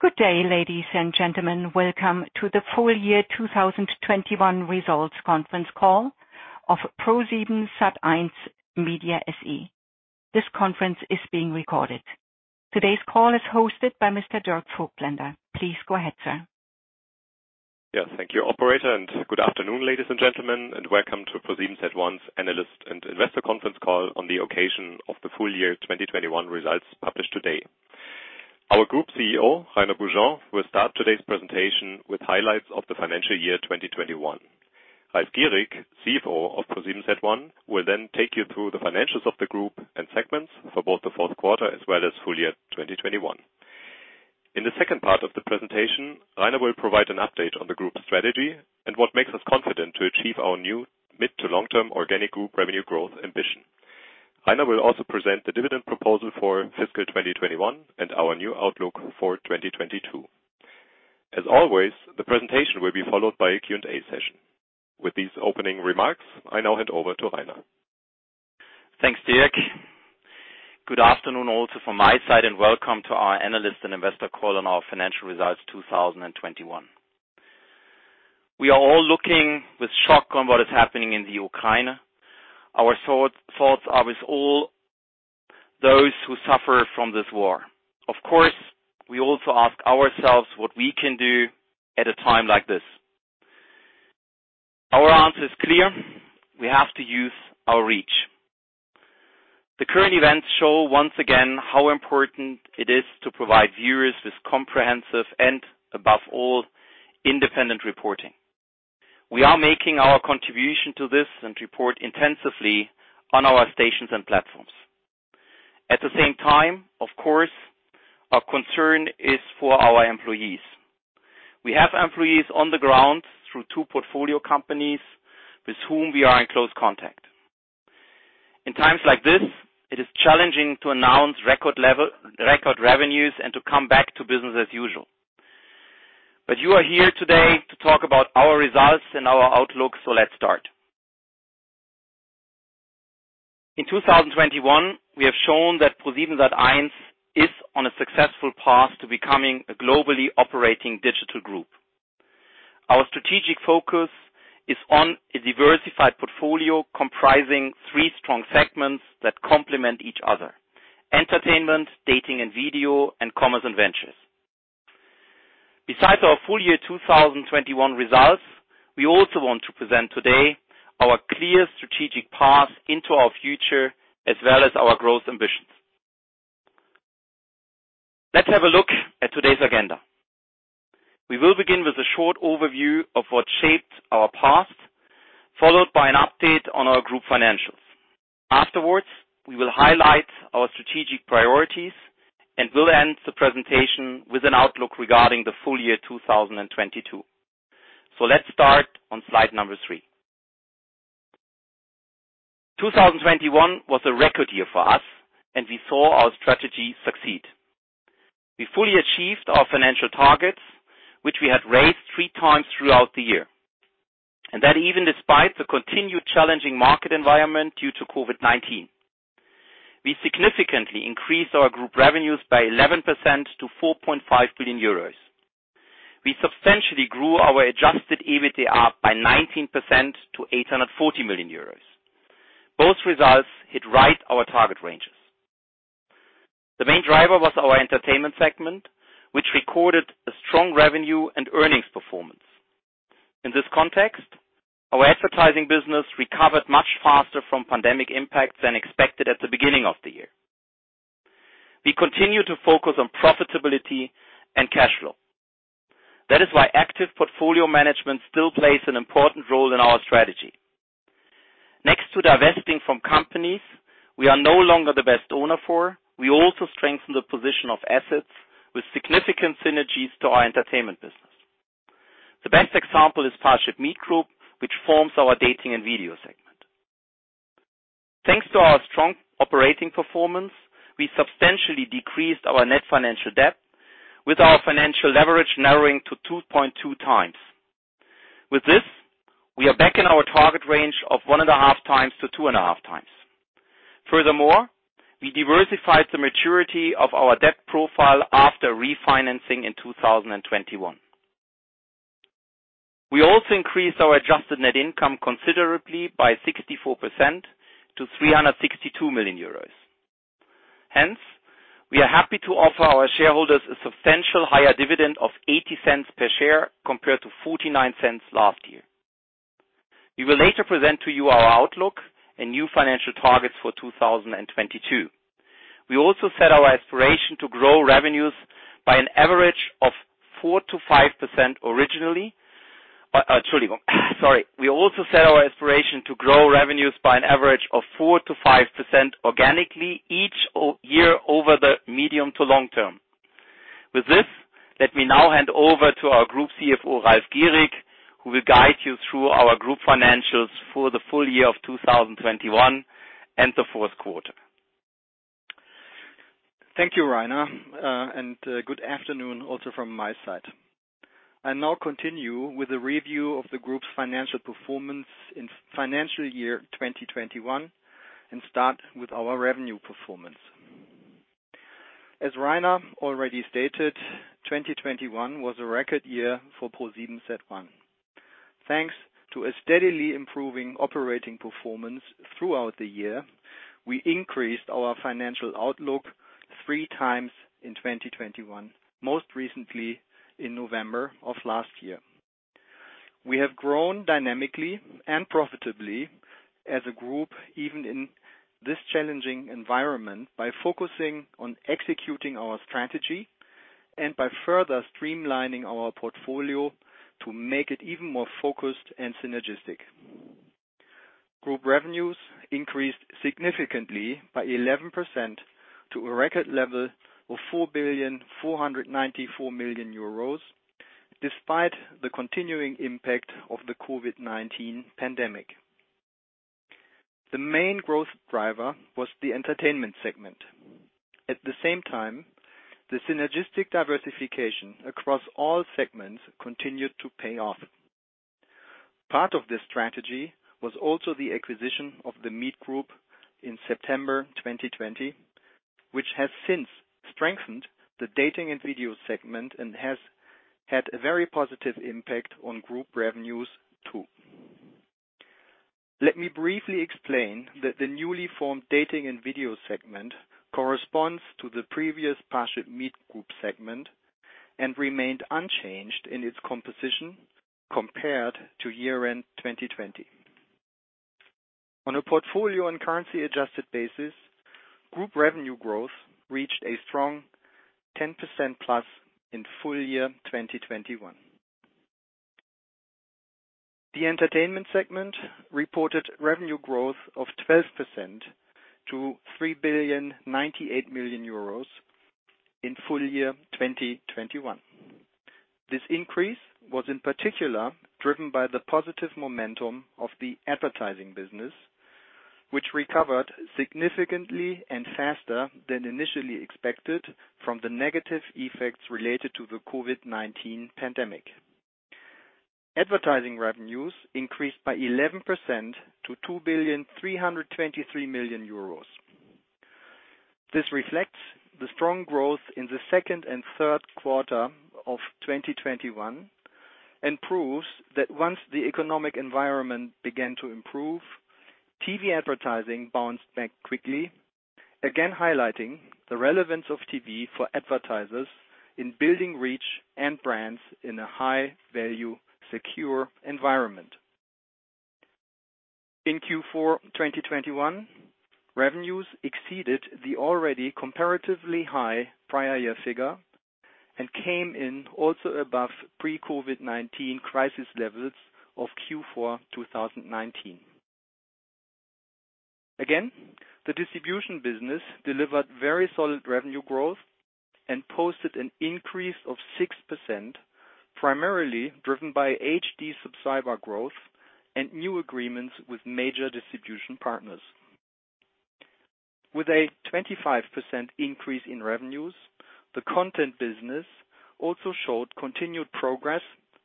Good day, ladies and gentlemen. Welcome to the full year 2021 results conference call of ProSiebenSat.1 Media SE. This conference is being recorded. Today's call is hosted by Mr. Dirk Voigtländer. Please go ahead, sir. Yes, thank you operator, and good afternoon, ladies and gentlemen, and welcome to ProSiebenSat.1's analyst and investor conference call on the occasion of the full year 2021 results published today. Our Group CEO, Rainer Beaujean, will start today's presentation with highlights of the financial year 2021. Ralf Gierig, CFO of ProSiebenSat.1, will then take you through the financials of the group and segments for both the fourth quarter as well as full year 2021. In the second part of the presentation, Rainer will provide an update on the group strategy and what makes us confident to achieve our new mid- to long-term organic group revenue growth ambition. Rainer will also present the dividend proposal for fiscal 2021 and our new outlook for 2022. As always, the presentation will be followed by a Q&A session. With these opening remarks, I now hand over to Rainer. Thanks, Dirk. Good afternoon also from my side, and welcome to our analyst and investor call on our financial results 2021. We are all looking with shock on what is happening in Ukraine. Our thoughts are with all those who suffer from this war. Of course, we also ask ourselves what we can do at a time like this. Our answer is clear. We have to use our reach. The current events show once again how important it is to provide viewers with comprehensive and above all, independent reporting. We are making our contribution to this and report intensively on our stations and platforms. At the same time, of course, our concern is for our employees. We have employees on the ground through two portfolio companies with whom we are in close contact. In times like this, it is challenging to announce record revenues and to come back to business as usual. You are here today to talk about our results and our outlook, so let's start. In 2021, we have shown that ProSiebenSat.1 is on a successful path to becoming a globally operating digital group. Our strategic focus is on a diversified portfolio comprising three strong segments that complement each other. Entertainment, Dating & Video, and Commerce & Ventures. Besides our full year 2021 results, we also want to present today our clear strategic path into our future as well as our growth ambitions. Let's have a look at today's agenda. We will begin with a short overview of what shaped our past, followed by an update on our group financials. Afterwards, we will highlight our strategic priorities, and we'll end the presentation with an outlook regarding the full year 2022. Let's start on slide number three. 2021 was a record year for us, and we saw our strategy succeed. We fully achieved our financial targets, which we had raised 3x throughout the year. That even despite the continued challenging market environment due to COVID-19. We significantly increased our group revenues by 11% to 4.5 billion euros. We substantially grew our adjusted EBITDA by 19% to 840 million euros. Both results hit right on our target ranges. The main driver was our Entertainment segment, which recorded a strong revenue and earnings performance. In this context, our advertising business recovered much faster from pandemic impact than expected at the beginning of the year. We continue to focus on profitability and cash flow. That is why active portfolio management still plays an important role in our strategy. Next to divesting from companies we are no longer the best owner for, we also strengthen the position of assets with significant synergies to our Entertainment business. The best example is ParshipMeet Group, which forms our Dating & Video segment. Thanks to our strong operating performance, we substantially decreased our net financial debt with our financial leverage narrowing to 2.2x. With this, we are back in our target range of 1.5x-2.5x. Furthermore, we diversified the maturity of our debt profile after refinancing in 2021. We also increased our adjusted net income considerably by 64% to 362 million euros. Hence, we are happy to offer our shareholders a substantially higher dividend of 0.80 per share compared to 0.49 last year. We will later present to you our outlook and new financial targets for 2022. We also set our aspiration to grow revenues by an average of 4%-5% organically each year over the medium to long term. With this, let me now hand over to our Group CFO, Ralf Gierig, who will guide you through our group financials for the full year of 2021 and the fourth quarter. Thank you, Rainer. Good afternoon also from my side. I'll now continue with a review of the group's financial performance in financial year 2021, and start with our revenue performance. As Rainer already stated, 2021 was a record year for ProSiebenSat.1. Thanks to a steadily improving operating performance throughout the year, we increased our financial outlook 3x in 2021, most recently in November of last year. We have grown dynamically and profitably as a group, even in this challenging environment, by focusing on executing our strategy and by further streamlining our portfolio to make it even more focused and synergistic. Group revenues increased significantly by 11% to a record level of 4.494 billion, despite the continuing impact of the COVID-19 pandemic. The main growth driver was the Entertainment segment. At the same time, the synergistic diversification across all segments continued to pay off. Part of this strategy was also the acquisition of The Meet Group in September 2020, which has since strengthened the Dating & Video segment and has had a very positive impact on group revenues too. Let me briefly explain that the newly formed Dating & Video segment corresponds to the previous ParshipMeet Group segment and remained unchanged in its composition compared to year-end 2020. On a portfolio and currency adjusted basis, group revenue growth reached a strong 10%+ in full year 2021. The Entertainment segment reported revenue growth of 12% to 3.098 billion in full year 2021. This increase was in particular driven by the positive momentum of the advertising business, which recovered significantly and faster than initially expected from the negative effects related to the COVID-19 pandemic. Advertising revenues increased by 11% to EUR 2.323 billion. This reflects the strong growth in the second and third quarter of 2021 and proves that once the economic environment began to improve, TV advertising bounced back quickly, again highlighting the relevance of TV for advertisers in building reach and brands in a high-value, secure environment. In Q4 2021, revenues exceeded the already comparatively high prior year figure and came in also above pre-COVID-19 crisis levels of Q4 2019. Again, the distribution business delivered very solid revenue growth and posted an increase of 6%, primarily driven by HD subscriber growth and new agreements with major distribution partners. With a 25% increase in revenues, the content business also showed continued progress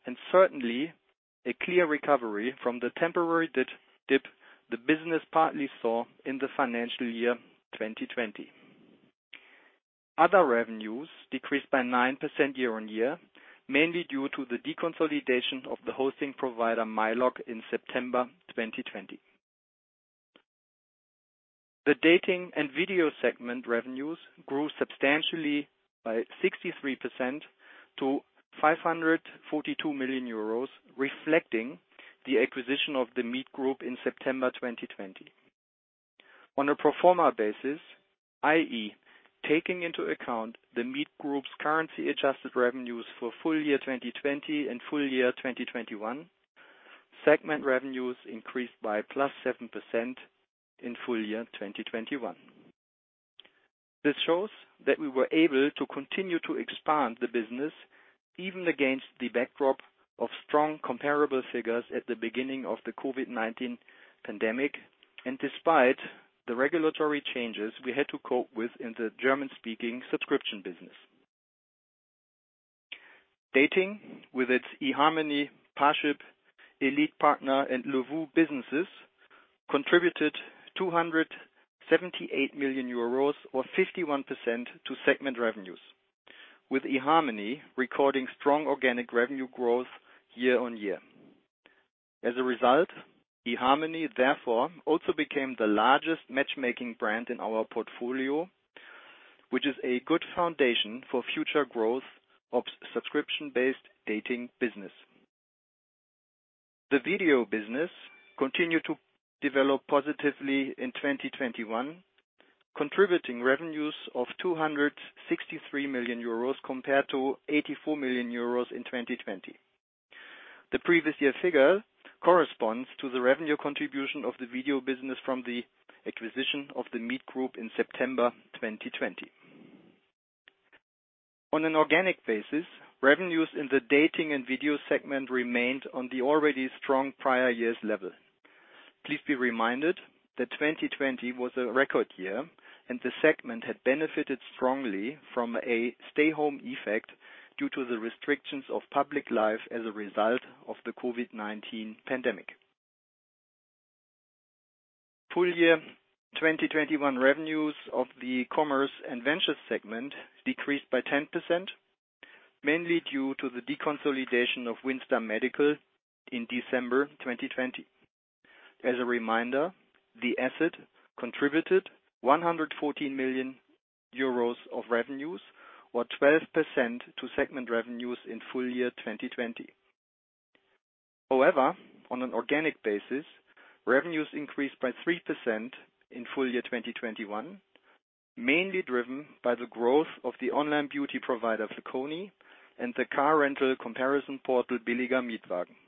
and certainly a clear recovery from the temporary dip the business partly saw in the financial year 2020. Other revenues decreased by 9% year-on-year, mainly due to the deconsolidation of the hosting provider, myLoc, in September 2020. The Dating & Video segment revenues grew substantially by 63% to 542 million euros, reflecting the acquisition of The Meet Group in September 2020. On a pro forma basis, i.e., taking into account The Meet Group's currency adjusted revenues for full year 2020 and full year 2021, segment revenues increased by +7% in full year 2021. This shows that we were able to continue to expand the business even against the backdrop of strong comparable figures at the beginning of the COVID-19 pandemic, and despite the regulatory changes we had to cope with in the German-speaking subscription business. Dating with its eharmony, Parship, ElitePartner, and LOVOO businesses contributed 278 million euros or 51% to segment revenues, with eharmony recording strong organic revenue growth year-over-year. As a result, eharmony therefore also became the largest matchmaking brand in our portfolio, which is a good foundation for future growth of subscription-based Dating business. The video business continued to develop positively in 2021, contributing revenues of 263 million euros compared to 84 million euros in 2020. The previous year figure corresponds to the revenue contribution of the video business from the acquisition of The Meet Group in September 2020. On an organic basis, revenues in the Dating & Video segment remained on the already strong prior year's level. Please be reminded that 2020 was a record year and the segment had benefited strongly from a stay-at-home effect due to the restrictions of public life as a result of the COVID-19 pandemic. Full year 2021 revenues of the Commerce & Ventures segment decreased by 10%, mainly due to the deconsolidation of WindStar Medical in December 2020. As a reminder, the asset contributed 114 million euros of revenues, or 12% to segment revenues in full year 2020. However, on an organic basis, revenues increased by 3% in full year 2021, mainly driven by the growth of the online beauty provider, Flaconi, and the car rental comparison portal, Billiger-Mietwagen.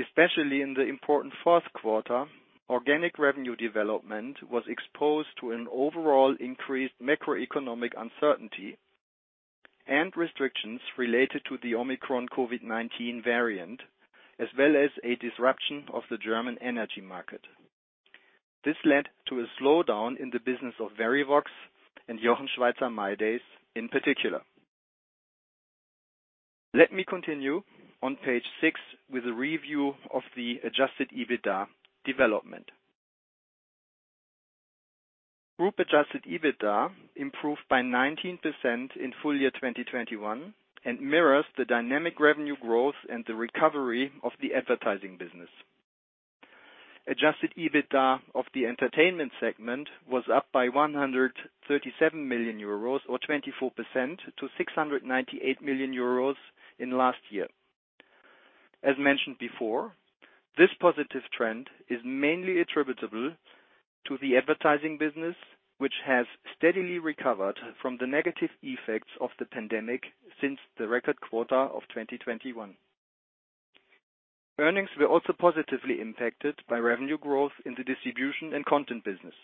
Especially in the important fourth quarter, organic revenue development was exposed to an overall increased macroeconomic uncertainty and restrictions related to the Omicron COVID-19 variant, as well as a disruption of the German energy market. This led to a slowdown in the business of Verivox and Jochen Schweizer mydays in particular. Let me continue on page six with a review of the adjusted EBITDA development. Group adjusted EBITDA improved by 19% in full year 2021, and mirrors the dynamic revenue growth and the recovery of the advertising business. Adjusted EBITDA of the Entertainment segment was up by 137 million euros or 24% to 698 million euros in last year. As mentioned before, this positive trend is mainly attributable to the advertising business, which has steadily recovered from the negative effects of the pandemic since the record quarter of 2021. Earnings were also positively impacted by revenue growth in the distribution and content business.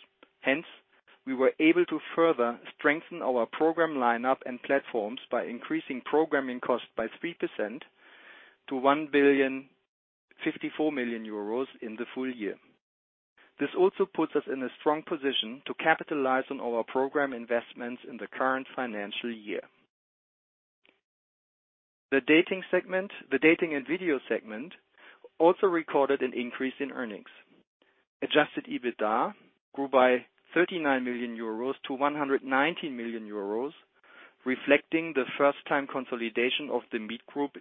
Hence, we were able to further strengthen our program lineup and platforms by increasing programming costs by 3% to 1.054 billion in the full year. This also puts us in a strong position to capitalize on our program investments in the current financial year. The Dating & Video segment also recorded an increase in earnings. Adjusted EBITDA grew by 39 million euros to 190 million euros, reflecting the first time consolidation of The Meet Group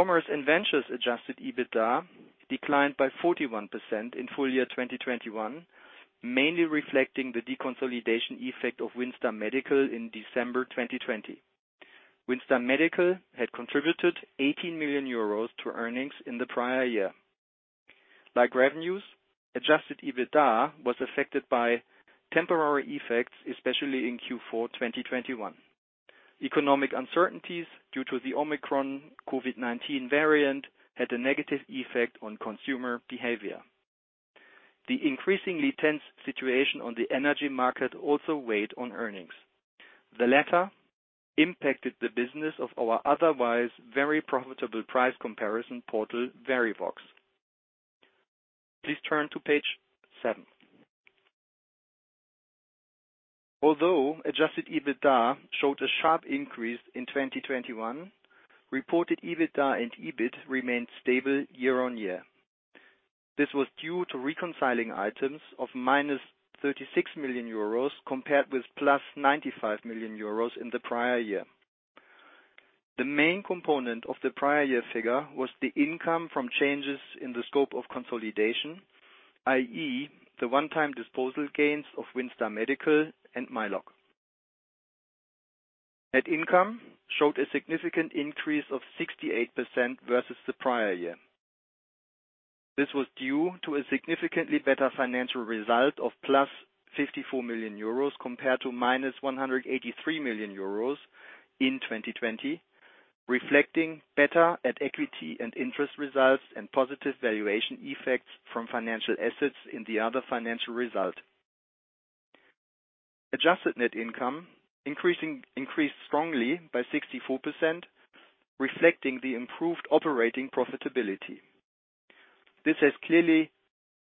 in September 2020. Commerce & Ventures adjusted EBITDA declined by 41% in full year 2021, mainly reflecting the deconsolidation effect of WindStar Medical in December 2020. WindStar Medical had contributed 18 million euros to earnings in the prior year. Like revenues, adjusted EBITDA was affected by temporary effects, especially in Q4 2021. Economic uncertainties due to the Omicron COVID-19 variant had a negative effect on consumer behavior. The increasingly tense situation on the energy market also weighed on earnings. The latter impacted the business of our otherwise very profitable price comparison portal, Verivox. Please turn to page seven. Although adjusted EBITDA showed a sharp increase in 2021, reported EBITDA and EBIT remained stable year-on-year. This was due to reconciling items of -36 million euros compared with +95 million euros in the prior year. The main component of the prior year figure was the income from changes in the scope of consolidation, i.e. the one-time disposal gains of WindStar Medical and myLoc. Net income showed a significant increase of 68% versus the prior year. This was due to a significantly better financial result of +54 million euros compared to -183 million euros in 2020, reflecting better at equity and interest results and positive valuation effects from financial assets in the other financial result. Adjusted net income increased strongly by 64%, reflecting the improved operating profitability. This has clearly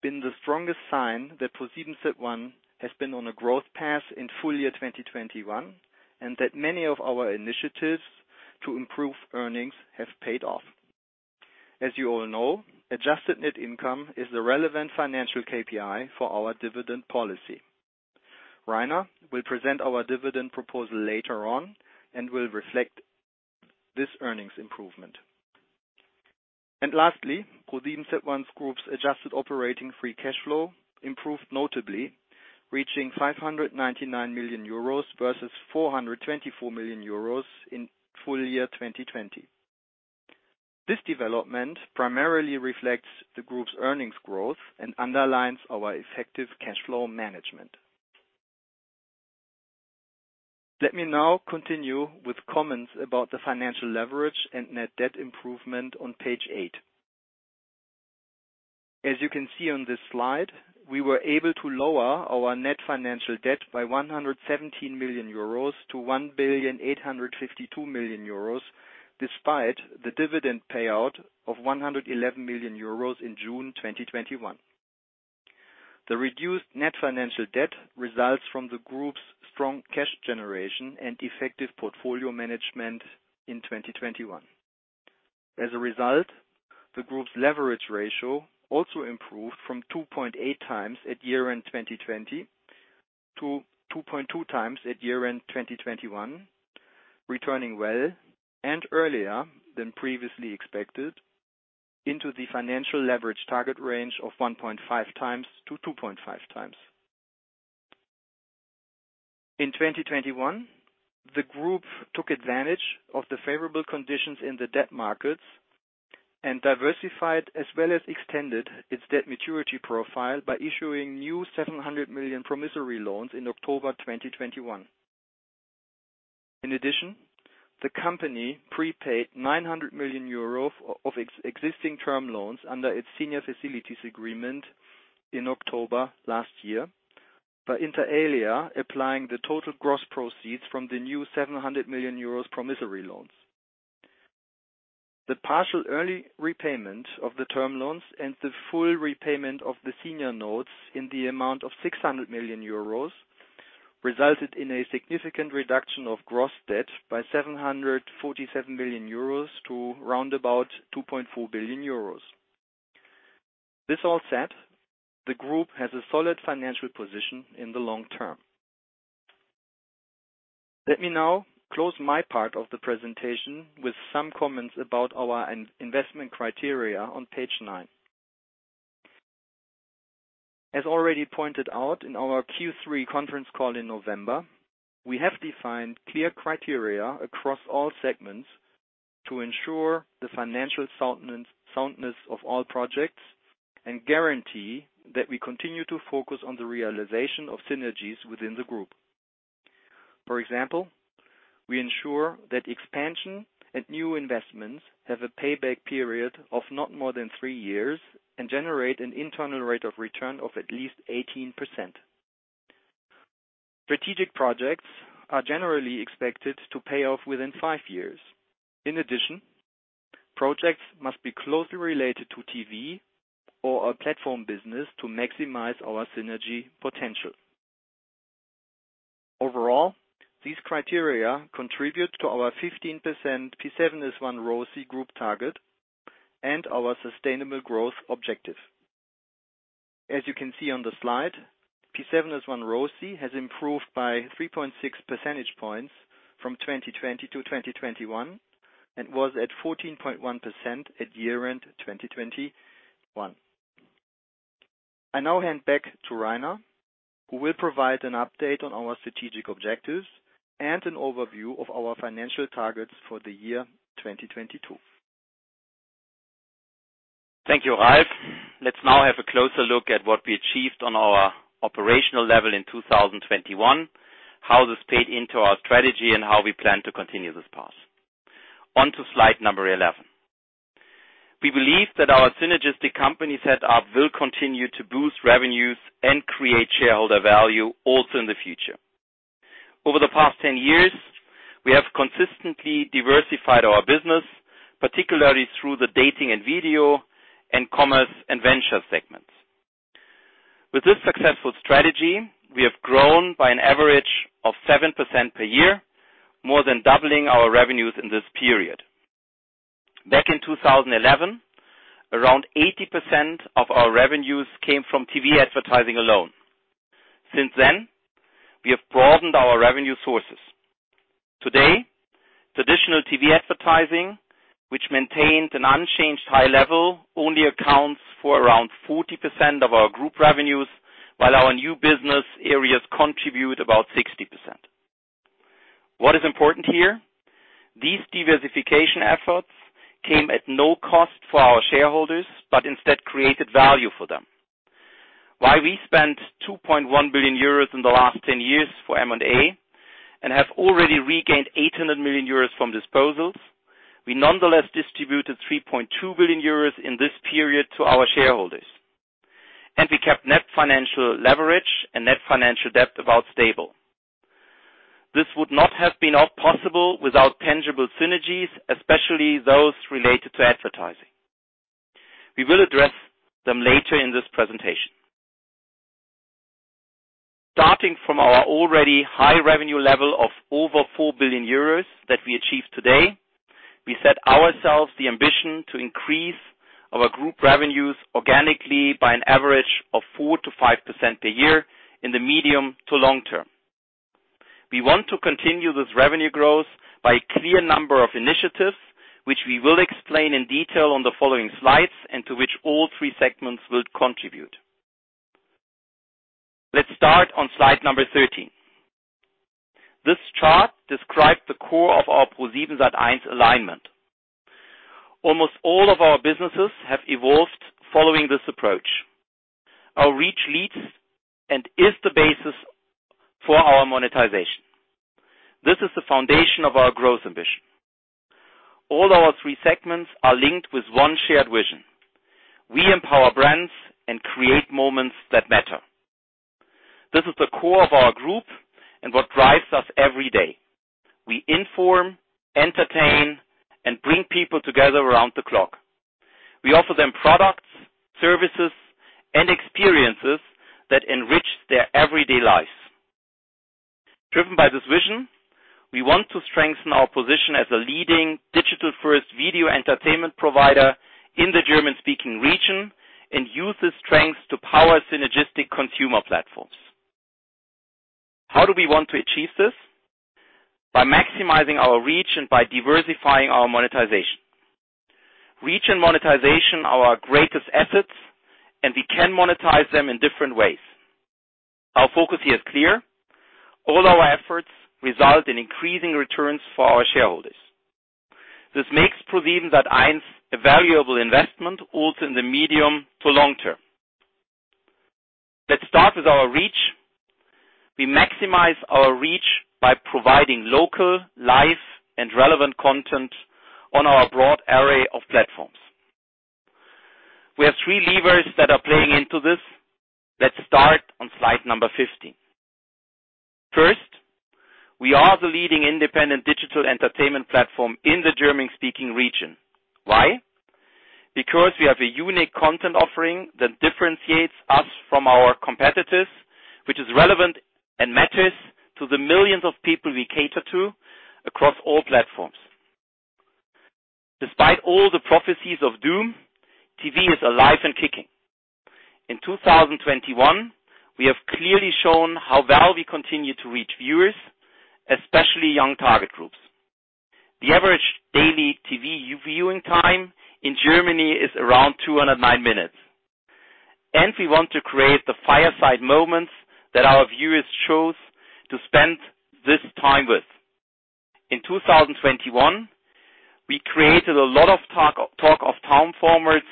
been the strongest sign that ProSiebenSat.1 has been on a growth path in full year 2021, and that many of our initiatives to improve earnings have paid off. As you all know, adjusted net income is the relevant financial KPI for our dividend policy. Rainer will present our dividend proposal later on and will reflect this earnings improvement. Lastly, ProSiebenSat.1 Group's adjusted operating free cash flow improved notably, reaching 599 million euros versus 424 million euros in full year 2020. This development primarily reflects the group's earnings growth and underlines our effective cash flow management. Let me now continue with comments about the financial leverage and net debt improvement on page eight. As you can see on this slide, we were able to lower our net financial debt by 117 million euros to 1.852 billion, despite the dividend payout of 111 million euros in June 2021. The reduced net financial debt results from the group's strong cash generation and effective portfolio management in 2021. As a result, the group's leverage ratio also improved from 2.8x at year-end 2020 to 2.2x at year-end 2021, returning well ahead and earlier than previously expected into the financial leverage target range of 1.5x-2.5x. In 2021, the group took advantage of the favorable conditions in the debt markets and diversified as well as extended its debt maturity profile by issuing new 700 million promissory loans in October 2021. In addition, the company prepaid 900 million euros of existing term loans under its senior facilities agreement in October last year, by inter alia, applying the total gross proceeds from the new 700 million euros promissory loans. The partial early repayment of the term loans and the full repayment of the senior notes in the amount of 600 million euros resulted in a significant reduction of gross debt by 747 million euros to round about 2.4 billion euros. This all said, the group has a solid financial position in the long term. Let me now close my part of the presentation with some comments about our investment criteria on page nine. As already pointed out in our Q3 conference call in November, we have defined clear criteria across all segments to ensure the financial soundness of all projects and guarantee that we continue to focus on the realization of synergies within the group. For example, we ensure that expansion and new investments have a payback period of not more than three years and generate an internal rate of return of at least 18%. Strategic projects are generally expected to pay off within 5 years. In addition, projects must be closely related to TV or our platform business to maximize our synergy potential. Overall, these criteria contribute to our 15% P7S1 ROCE group target and our sustainable growth objective. As you can see on the slide, P7S1 ROCE has improved by 3.6 percentage points from 2020 to 2021, and was at 14.1% at year-end 2021. I now hand back to Rainer, who will provide an update on our strategic objectives and an overview of our financial targets for the year 2022. Thank you, Ralf. Let's now have a closer look at what we achieved on our operational level in 2021, how this played into our strategy, and how we plan to continue this path. On to slide 11. We believe that our synergistic company set up will continue to boost revenues and create shareholder value also in the future. Over the past 10 years, we have consistently diversified our business, particularly through the Dating & Video and Commerce & Venture segments. With this successful strategy, we have grown by an average of 7% per year, more than doubling our revenues in this period. Back in 2011, around 80% of our revenues came from TV advertising alone. Since then, we have broadened our revenue sources. Today, traditional TV advertising, which maintained an unchanged high level, only accounts for around 40% of our group revenues, while our new business areas contribute about 60%. What is important here, these diversification efforts came at no cost for our shareholders, but instead created value for them. While we spent 2.1 billion euros in the last 10 years for M&A and have already regained 800 million euros from disposals, we nonetheless distributed 3.2 billion euros in this period to our shareholders. We kept net financial leverage and net financial debt about stable. This would not have been all possible without tangible synergies, especially those related to advertising. We will address them later in this presentation. Starting from our already high revenue level of over 4 billion euros that we achieve today, we set ourselves the ambition to increase our group revenues organically by an average of 4%-5% per year in the medium to long term. We want to continue this revenue growth by a clear number of initiatives, which we will explain in detail on the following slides, and to which all three segments will contribute. Let's start on slide number 13. This chart describes the core of our ProSiebenSat.1 alignment. Almost all of our businesses have evolved following this approach. Our reach leads and is the basis. Our monetization. This is the foundation of our growth ambition. All our three segments are linked with one shared vision. We empower brands and create moments that matter. This is the core of our group and what drives us every day. We inform, entertain, and bring people together around the clock. We offer them products, services, and experiences that enrich their everyday lives. Driven by this vision, we want to strengthen our position as a leading digital-first video Entertainment provider in the German-speaking region and use this strength to power synergistic consumer platforms. How do we want to achieve this? By maximizing our reach and by diversifying our monetization. Reach and monetization are our greatest assets, and we can monetize them in different ways. Our focus here is clear. All our efforts result in increasing returns for our shareholders. This makes ProSiebenSat.1 a valuable investment, also in the medium to long term. Let's start with our reach. We maximize our reach by providing local, live, and relevant content on our broad array of platforms. We have three levers that are playing into this. Let's start on slide number 15. First, we are the leading independent digital Entertainment platform in the German-speaking region. Why? Because we have a unique content offering that differentiates us from our competitors, which is relevant and matters to the millions of people we cater to across all platforms. Despite all the prophecies of doom, TV is alive and kicking. In 2021, we have clearly shown how well we continue to reach viewers, especially young target groups. The average daily TV viewing time in Germany is around 209 minutes. We want to create the fireside moments that our viewers chose to spend this time with. In 2021, we created a lot of talk of town formats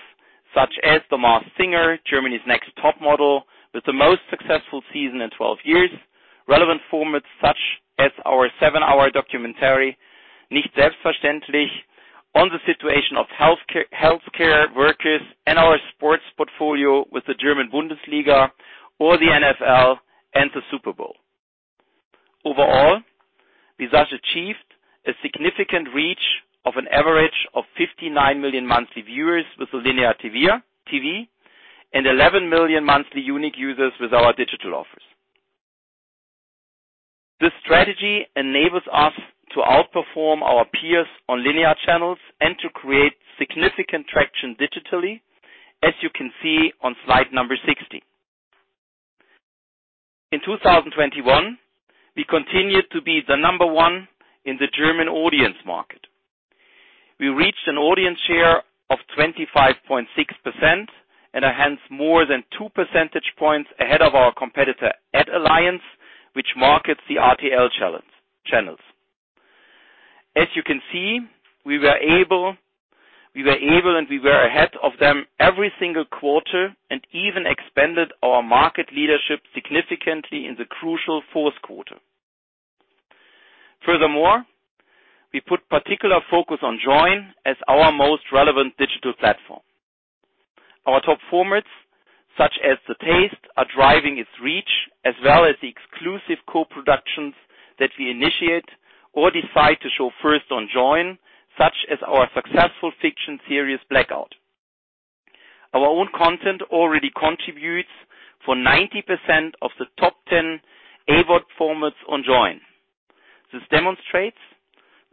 such as The Masked Singer, Germany's Next Top Model, with the most successful season in 12 years. Relevant formats such as our seven-hour documentary, Nicht Selbstverständlich, on the situation of healthcare workers and our sports portfolio with the German Bundesliga or the NFL and the Super Bowl. Overall, we thus achieved a significant reach of an average of 59 million monthly viewers with linear TV, and 11 million monthly unique users with our digital offers. This strategy enables us to outperform our peers on linear channels and to create significant traction digitally, as you can see on slide 16. In 2021, we continued to be the number one in the German audience market. We reached an audience share of 25.6% and are hence more than 2 percentage points ahead of our competitor Ad Alliance, which markets the RTL channels. As you can see, we were able and we were ahead of them every single quarter and even expanded our market leadership significantly in the crucial fourth quarter. Furthermore, we put particular focus on Joyn as our most relevant digital platform. Our top formats, such as The Taste, are driving its reach, as well as the exclusive co-productions that we initiate or decide to show first on Joyn, such as our successful fiction series Blackout. Our own content already contributes for 90% of the top 10 AVOD formats on Joyn. This demonstrates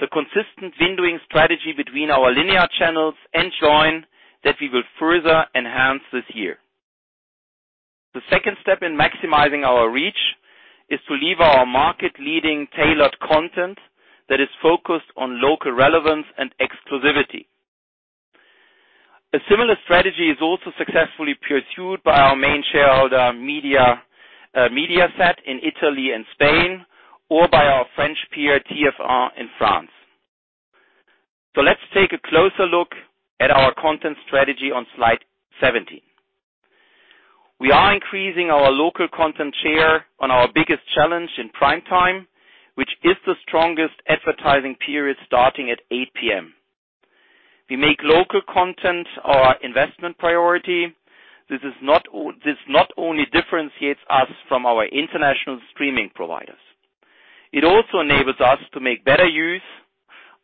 the consistent windowing strategy between our linear channels and Joyn that we will further enhance this year. The second step in maximizing our reach is to lever our market-leading tailored content that is focused on local relevance and exclusivity. A similar strategy is also successfully pursued by our main shareholder, Mediaset in Italy and Spain, or by our French peer TF1 in France. Let's take a closer look at our content strategy on slide 17. We are increasing our local content share on our biggest challenge in prime time, which is the strongest advertising period starting at 8 P.M. We make local content our investment priority. This not only differentiates us from our international streaming providers, it also enables us to make better use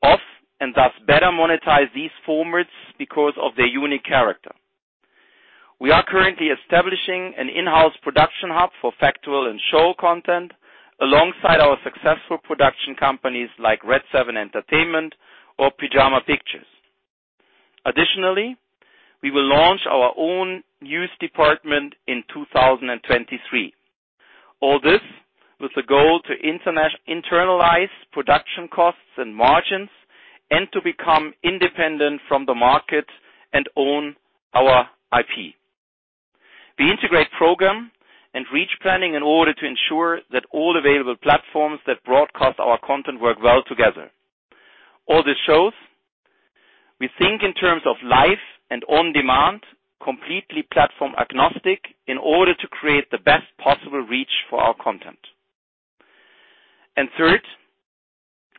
of, and thus better monetize these formats because of their unique character. We are currently establishing an in-house production hub for factual and show content alongside our successful production companies like RedSeven Entertainment or Pyjama Pictures. Additionally, we will launch our own news department in 2023. All this with the goal to internalize production costs and margins and to become independent from the market and own our IP. We integrate program and reach planning in order to ensure that all available platforms that broadcast our content work well together. We think in terms of live and on-demand, completely platform-agnostic, in order to create the best possible reach for our content. Third,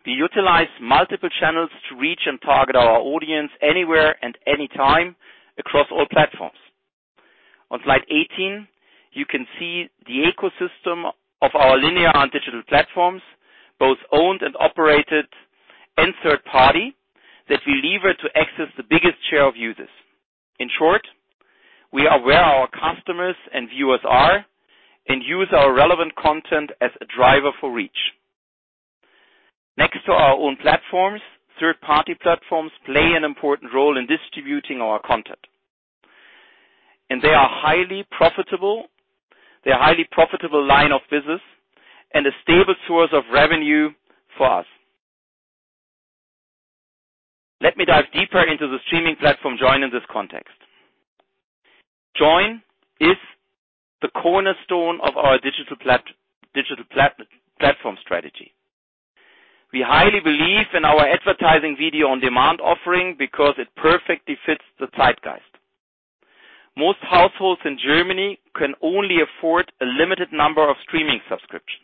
we utilize multiple channels to reach and target our audience anywhere and anytime across all platforms. On slide 18, you can see the ecosystem of our linear and digital platforms, both owned and operated, and third-party, that we leverage to access the biggest share of users. In short, we are where our customers and viewers are, and use our relevant content as a driver for reach. Next to our own platforms, third-party platforms play an important role in distributing our content. They are highly profitable. They're a highly profitable line of business and a stable source of revenue for us. Let me dive deeper into the streaming platform Joyn in this context. Joyn is the cornerstone of our digital platform strategy. We highly believe in our advertising video on-demand offering because it perfectly fits the zeitgeist. Most households in Germany can only afford a limited number of streaming subscriptions.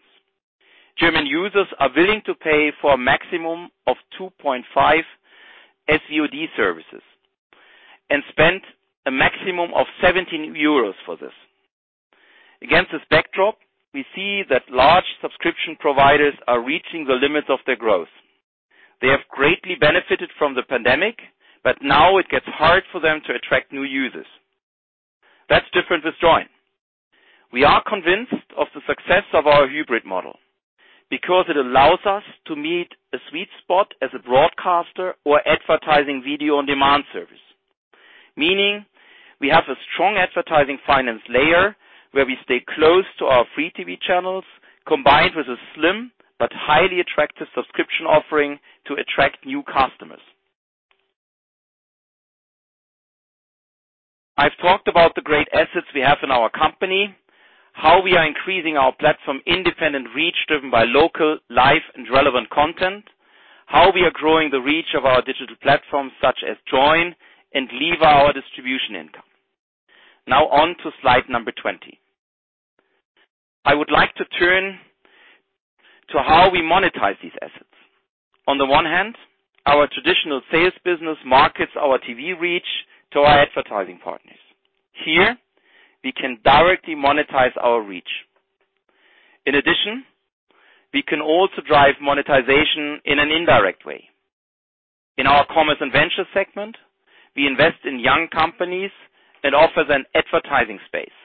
German users are willing to pay for a maximum of 2.5 SVOD services, and spend a maximum of 17 euros for this. Against this backdrop, we see that large subscription providers are reaching the limits of their growth. They have greatly benefited from the pandemic, but now it gets hard for them to attract new users. That's different with Joyn. We are convinced of the success of our hybrid model, because it allows us to meet a sweet spot as a broadcaster or advertising video on-demand service. Meaning we have a strong advertising finance layer, where we stay close to our free TV channels, combined with a slim but highly attractive subscription offering to attract new customers. I've talked about the great assets we have in our company, how we are increasing our platform-independent reach driven by local live and relevant content. How we are growing the reach of our digital platforms, such as Joyn, and leverage our distribution income. Now on to slide number 20. I would like to turn to how we monetize these assets. On the one hand, our traditional sales business markets our TV reach to our advertising partners. Here, we can directly monetize our reach. In addition, we can also drive monetization in an indirect way. In our Commerce & Venture segment, we invest in young companies and offer them advertising space.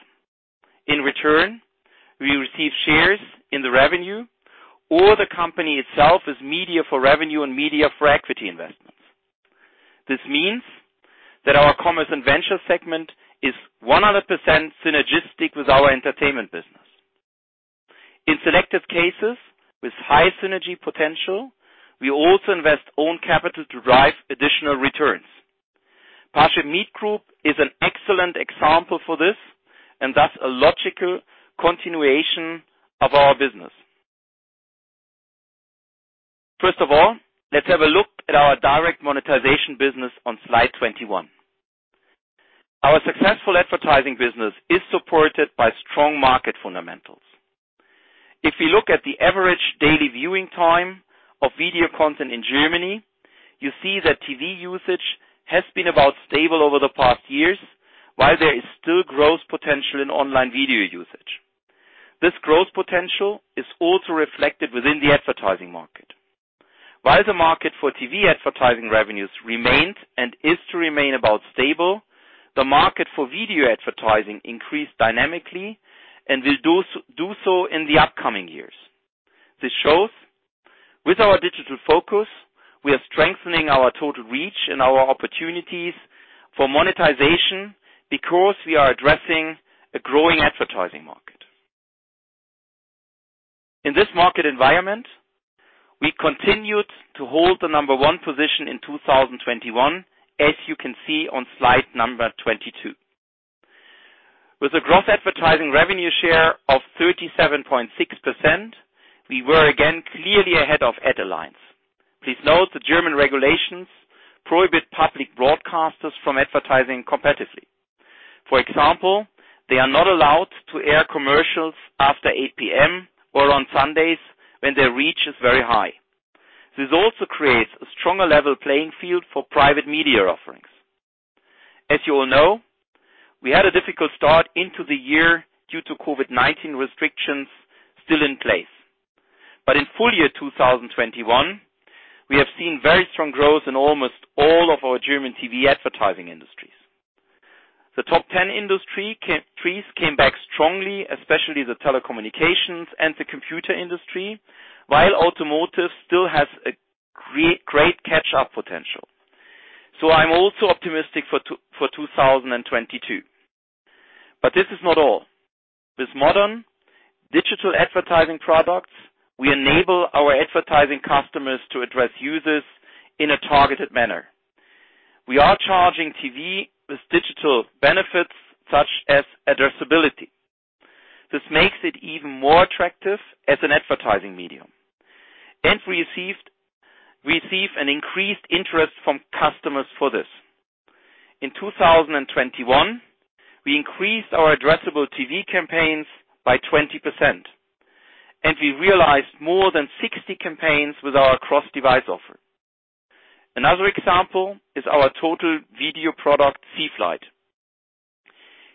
In return, we receive shares in the revenue or the company itself as media for revenue and media for equity investments. This means that our Commerce & Venture segment is 100% synergistic with our Entertainment business. In selective cases, with high synergy potential, we also invest own capital to drive additional returns. ParshipMeet Group is an excellent example for this, and that's a logical continuation of our business. First of all, let's have a look at our direct monetization business on slide 21. Our successful advertising business is supported by strong market fundamentals. If you look at the average daily viewing time of video content in Germany, you see that TV usage has been about stable over the past years, while there is still growth potential in online video usage. This growth potential is also reflected within the advertising market. While the market for TV advertising revenues remained and is to remain about stable, the market for video advertising increased dynamically and will do so in the upcoming years. This shows with our digital focus, we are strengthening our total reach and our opportunities for monetization because we are addressing a growing advertising market. In this market environment, we continued to hold the number one position in 2021, as you can see on slide number 22. With a gross advertising revenue share of 37.6%, we were again clearly ahead of Ad Alliance. Please note, the German regulations prohibit public broadcasters from advertising competitively. For example, they are not allowed to air commercials after 8 P.M. or on Sundays when their reach is very high. This also creates a stronger level playing field for private media offerings. As you all know, we had a difficult start into the year due to COVID-19 restrictions still in place. In full year 2021, we have seen very strong growth in almost all of our German TV advertising industries. The top 10 industry categories came back strongly, especially the telecommunications and the computer industry, while automotive still has a great catch-up potential. I'm also optimistic for 2022. This is not all. With modern digital advertising products, we enable our advertising customers to address users in a targeted manner. We are charging TV with digital benefits such as addressability, even more attractive as an advertising medium and receive an increased interest from customers for this. In 2021, we increased our addressable TV campaigns by 20%, and we realized more than 60 campaigns with our cross-device offer. Another example is our total video product, CFlight.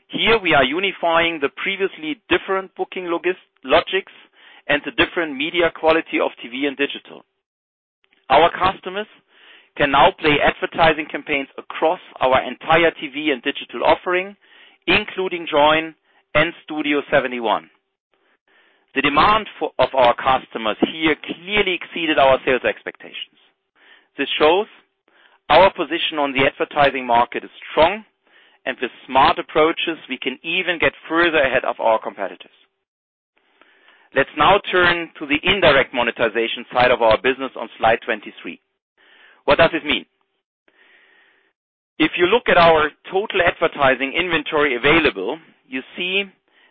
Here we are unifying the previously different booking logics and the different media quality of TV and digital. Our customers can now play advertising campaigns across our entire TV and digital offering, including Joyn and Studio71. The demand of our customers here clearly exceeded our sales expectations. This shows our position on the advertising market is strong, and with smart approaches, we can even get further ahead of our competitors. Let's now turn to the indirect monetization side of our business on slide 23. What does it mean? If you look at our total advertising inventory available, you see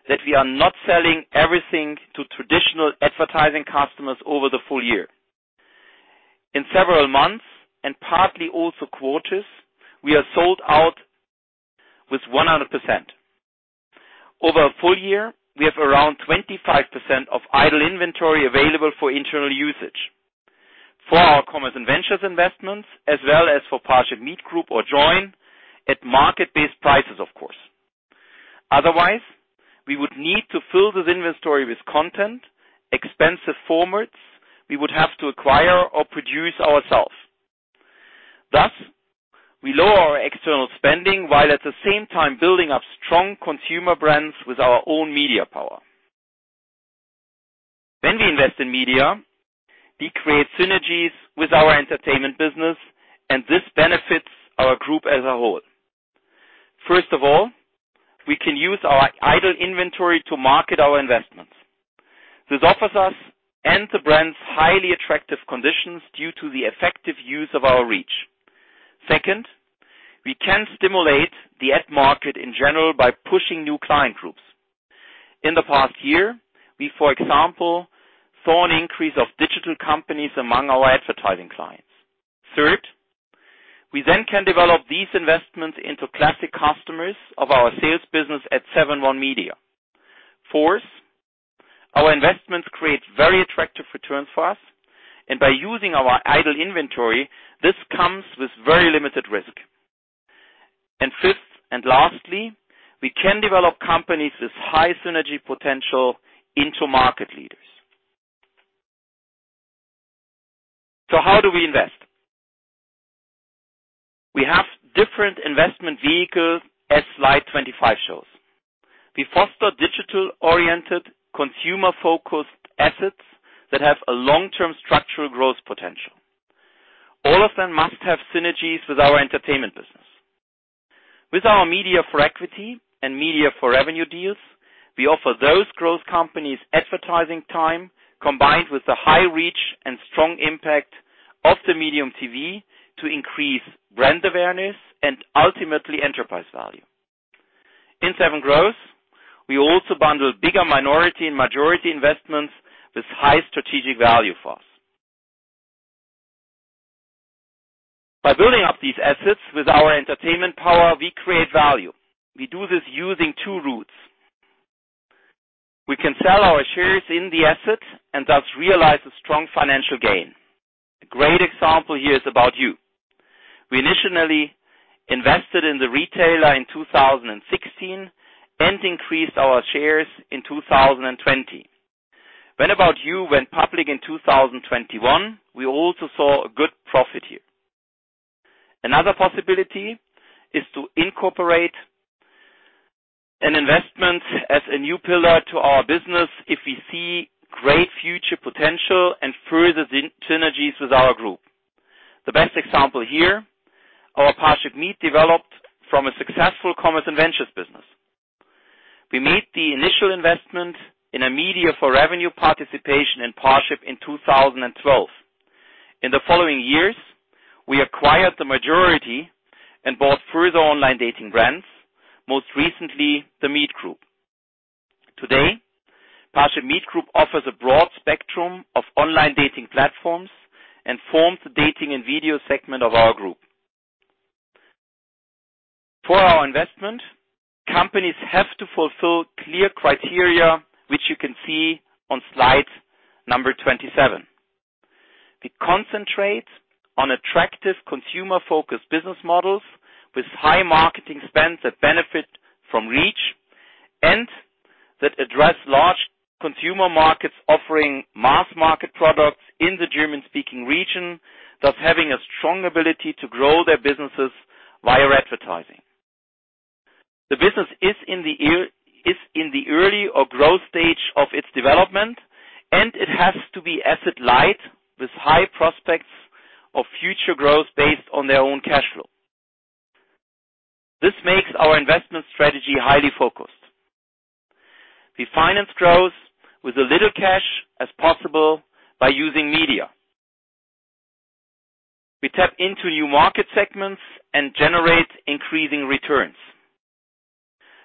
that we are not selling everything to traditional advertising customers over the full year. In several months, and partly also quarters, we are sold out with 100%. Over a full year, we have around 25% of idle inventory available for internal usage for our Commerce & Ventures investments, as well as for ParshipMeet Group or Joyn at market-based prices, of course. Otherwise, we would need to fill this inventory with content, expensive formats we would have to acquire or produce ourselves. Thus, we lower our external spending, while at the same time building up strong consumer brands with our own media power. When we invest in media, we create synergies with our Entertainment business, and this benefits our group as a whole. First of all, we can use our idle inventory to market our investments. This offers us and the brands highly attractive conditions due to the effective use of our reach. Second, we can stimulate the ad market in general by pushing new client groups. In the past year, we, for example, saw an increase of digital companies among our advertising clients. Third, we then can develop these investments into classic customers of our sales business at Seven.One Media. Fourth, our investments create very attractive returns for us, and by using our idle inventory, this comes with very limited risk. Fifth, and lastly, we can develop companies with high synergy potential into market leaders. How do we invest? We have different investment vehicles, as slide 25 shows. We foster digital-oriented, consumer-focused assets that have a long-term structural growth potential. All of them must have synergies with our Entertainment business. With our media for equity and media for revenue deals, we offer those growth companies advertising time, combined with the high reach and strong impact of the medium TV to increase brand awareness and ultimately enterprise value. In SevenGrowth, we also bundle bigger minority and majority investments with high strategic value for us. By building up these assets with our Entertainment power, we create value. We do this using two routes. We can sell our shares in the assets and thus realize a strong financial gain. A great example here is About You. We initially invested in the retailer in 2016 and increased our shares in 2020. When About You went public in 2021, we also saw a good profit here. Another possibility is to incorporate an investment as a new pillar to our business if we see great future potential and further synergies with our group. The best example here, our ParshipMeet Group developed from a successful Commerce & Ventures business. We made the initial investment in a media for revenue participation in Parship in 2012. In the following years, we acquired the majority and bought further online dating brands, most recently, The Meet Group. Today, ParshipMeet Group offers a broad spectrum of online dating platforms and forms the Dating & Video segment of our group. For our investment, companies have to fulfill clear criteria, which you can see on slide number 27. We concentrate on attractive consumer-focused business models with high marketing spends that benefit from reach and that address large consumer markets offering mass market products in the German-speaking region, thus having a strong ability to grow their businesses via advertising. The business is in the early or growth stage of its development, and it has to be asset light with high prospects of future growth based on their own cash flow. This makes our investment strategy highly focused. We finance growth with as little cash as possible by using media. We tap into new market segments and generate increasing returns.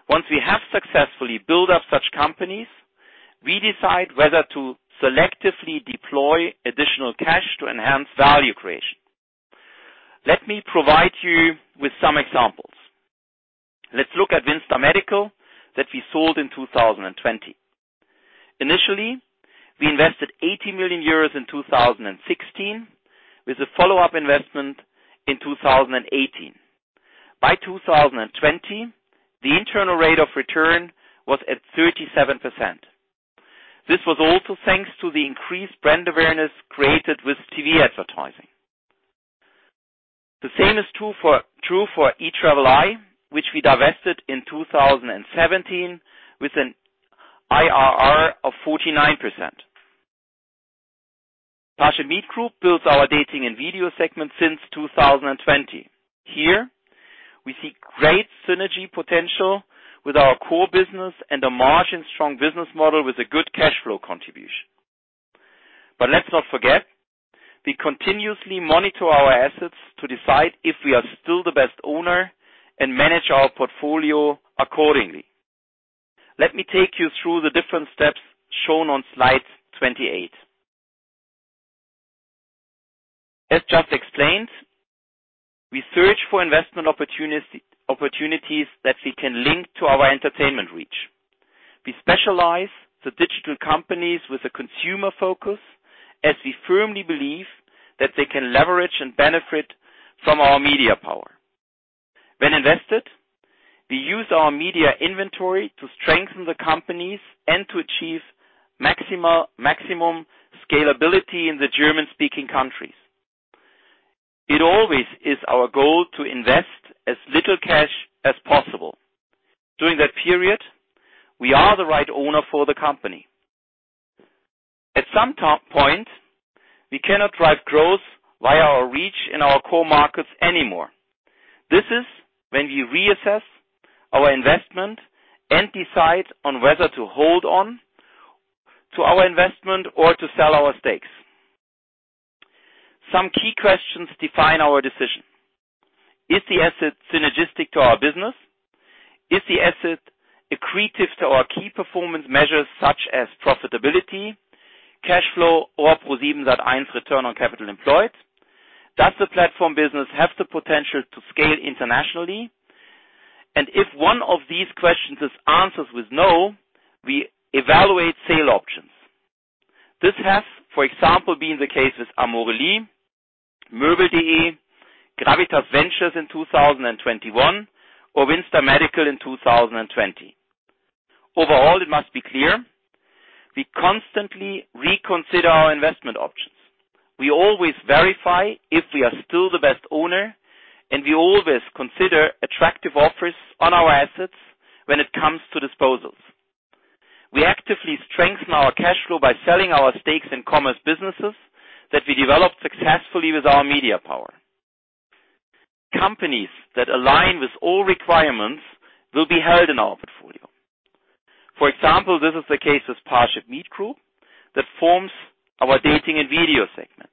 Once we have successfully built up such companies, we decide whether to selectively deploy additional cash to enhance value creation. Let me provide you with some examples. Let's look at WindStar Medical that we sold in 2020. Initially, we invested 80 million euros in 2016, with a follow-up investment in 2018. By 2020, the internal rate of return was at 37%. This was also thanks to the increased brand awareness created with TV advertising. The same is true for Etraveli, which we divested in 2017 with an IRR of 49%. ParshipMeet Group builds our Dating & Video segment since 2020. Here we see great synergy potential with our core business and a margin-strong business model with a good cash flow contribution. Let's not forget, we continuously monitor our assets to decide if we are still the best owner and manage our portfolio accordingly. Let me take you through the different steps shown on slide 28. As just explained, we search for investment opportunities that we can link to our Entertainment reach. We specialize the digital companies with a consumer focus, as we firmly believe that they can leverage and benefit from our media power. When invested, we use our media inventory to strengthen the companies and to achieve maximum scalability in the German-speaking countries. It always is our goal to invest as little cash as possible. During that period, we are the right owner for the company. At some point, we cannot drive growth via our reach in our core markets anymore. This is when we reassess our investment and decide on whether to hold on to our investment or to sell our stakes. Some key questions define our decision. Is the asset synergistic to our business? Is the asset accretive to our key performance measures such as profitability, cash flow, or present in return on capital employed? Does the platform business have the potential to scale internationally? If one of these questions is answered with no, we evaluate sale options. This has, for example, been the case with Amorelie, moebel.de, Gravitas Ventures in 2021 or WindStar Medical in 2020. Overall, it must be clear we constantly reconsider our investment options. We always verify if we are still the best owner, and we always consider attractive offers on our assets when it comes to disposals. We actively strengthen our cash flow by selling our stakes in commerce businesses that we developed successfully with our media power. Companies that align with all requirements will be held in our portfolio. For example, this is the case with ParshipMeet Group that forms our Dating & Video segment.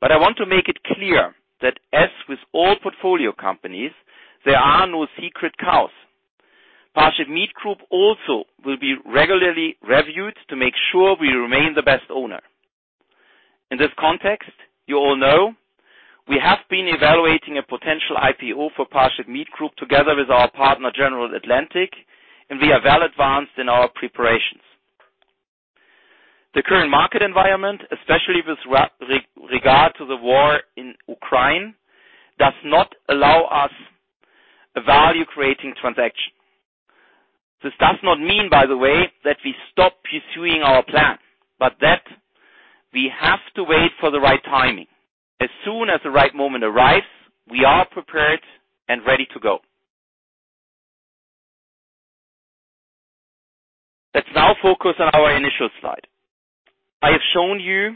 I want to make it clear that as with all portfolio companies, there are no sacred cows. ParshipMeet Group also will be regularly reviewed to make sure we remain the best owner. In this context, you all know we have been evaluating a potential IPO for ParshipMeet Group together with our partner General Atlantic, and we are well advanced in our preparations. The current market environment, especially with regard to the war in Ukraine, does not allow us a value-creating transaction. This does not mean, by the way, that we stop pursuing our plan, but that we have to wait for the right timing. As soon as the right moment arrives, we are prepared and ready to go. Let's now focus on our initial slide. I have shown you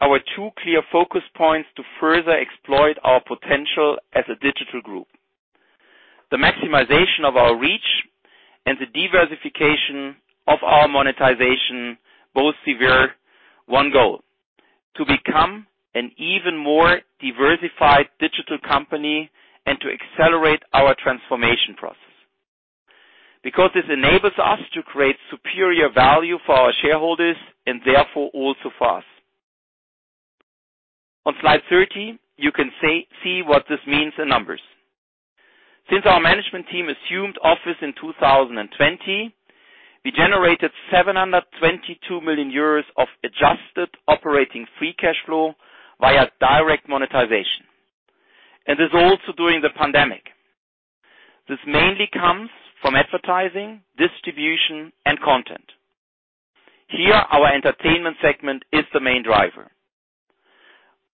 our two clear focus points to further exploit our potential as a digital group. The maximization of our reach and the diversification of our monetization both serve one goal, to become an even more diversified digital company and to accelerate our transformation process. Because this enables us to create superior value for our shareholders and therefore also for us. On slide 30, you can see what this means in numbers. Since our management team assumed office in 2020, we generated 722 million euros of adjusted operating free cash flow via direct monetization, and this is also during the pandemic. This mainly comes from advertising, distribution, and content. Here, our Entertainment segment is the main driver.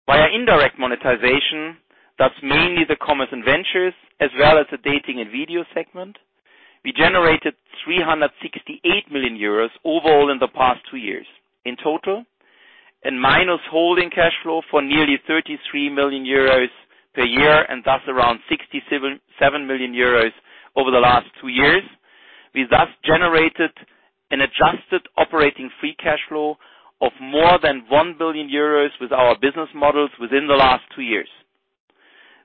Via indirect monetization, that's mainly the Commerce & Ventures as well as the Dating & Video segment, we generated 368 million euros overall in the past two years. In total, in minus holding cash flow for nearly 33 million euros per year and that's around 67.7 million euros over the last two years. We thus generated an adjusted operating free cash flow of more than 1 billion euros with our business models within the last two years.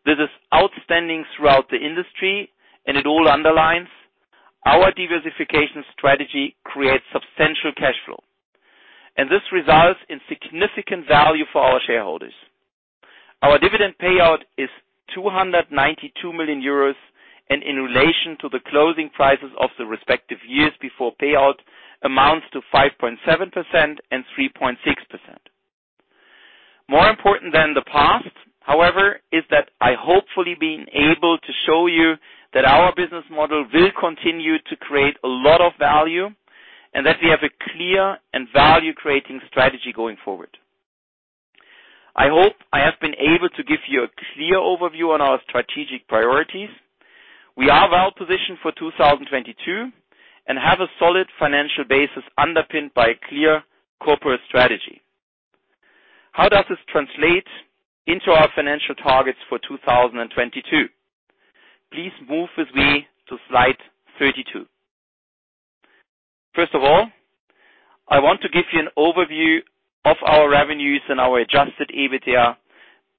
This is outstanding throughout the industry, and it all underlines our diversification strategy creates substantial cash flow, and this results in significant value for our shareholders. Our dividend payout is 292 million euros, and in relation to the closing prices of the respective years before payout amounts to 5.7% and 3.6%. More important than the past, however, is that I hope I've been able to show you that our business model will continue to create a lot of value and that we have a clear and value-creating strategy going forward. I hope I have been able to give you a clear overview on our strategic priorities. We are well positioned for 2022 and have a solid financial basis underpinned by clear corporate strategy. How does this translate into our financial targets for 2022? Please move with me to slide 32. First of all, I want to give you an overview of our revenues and our adjusted EBITDA,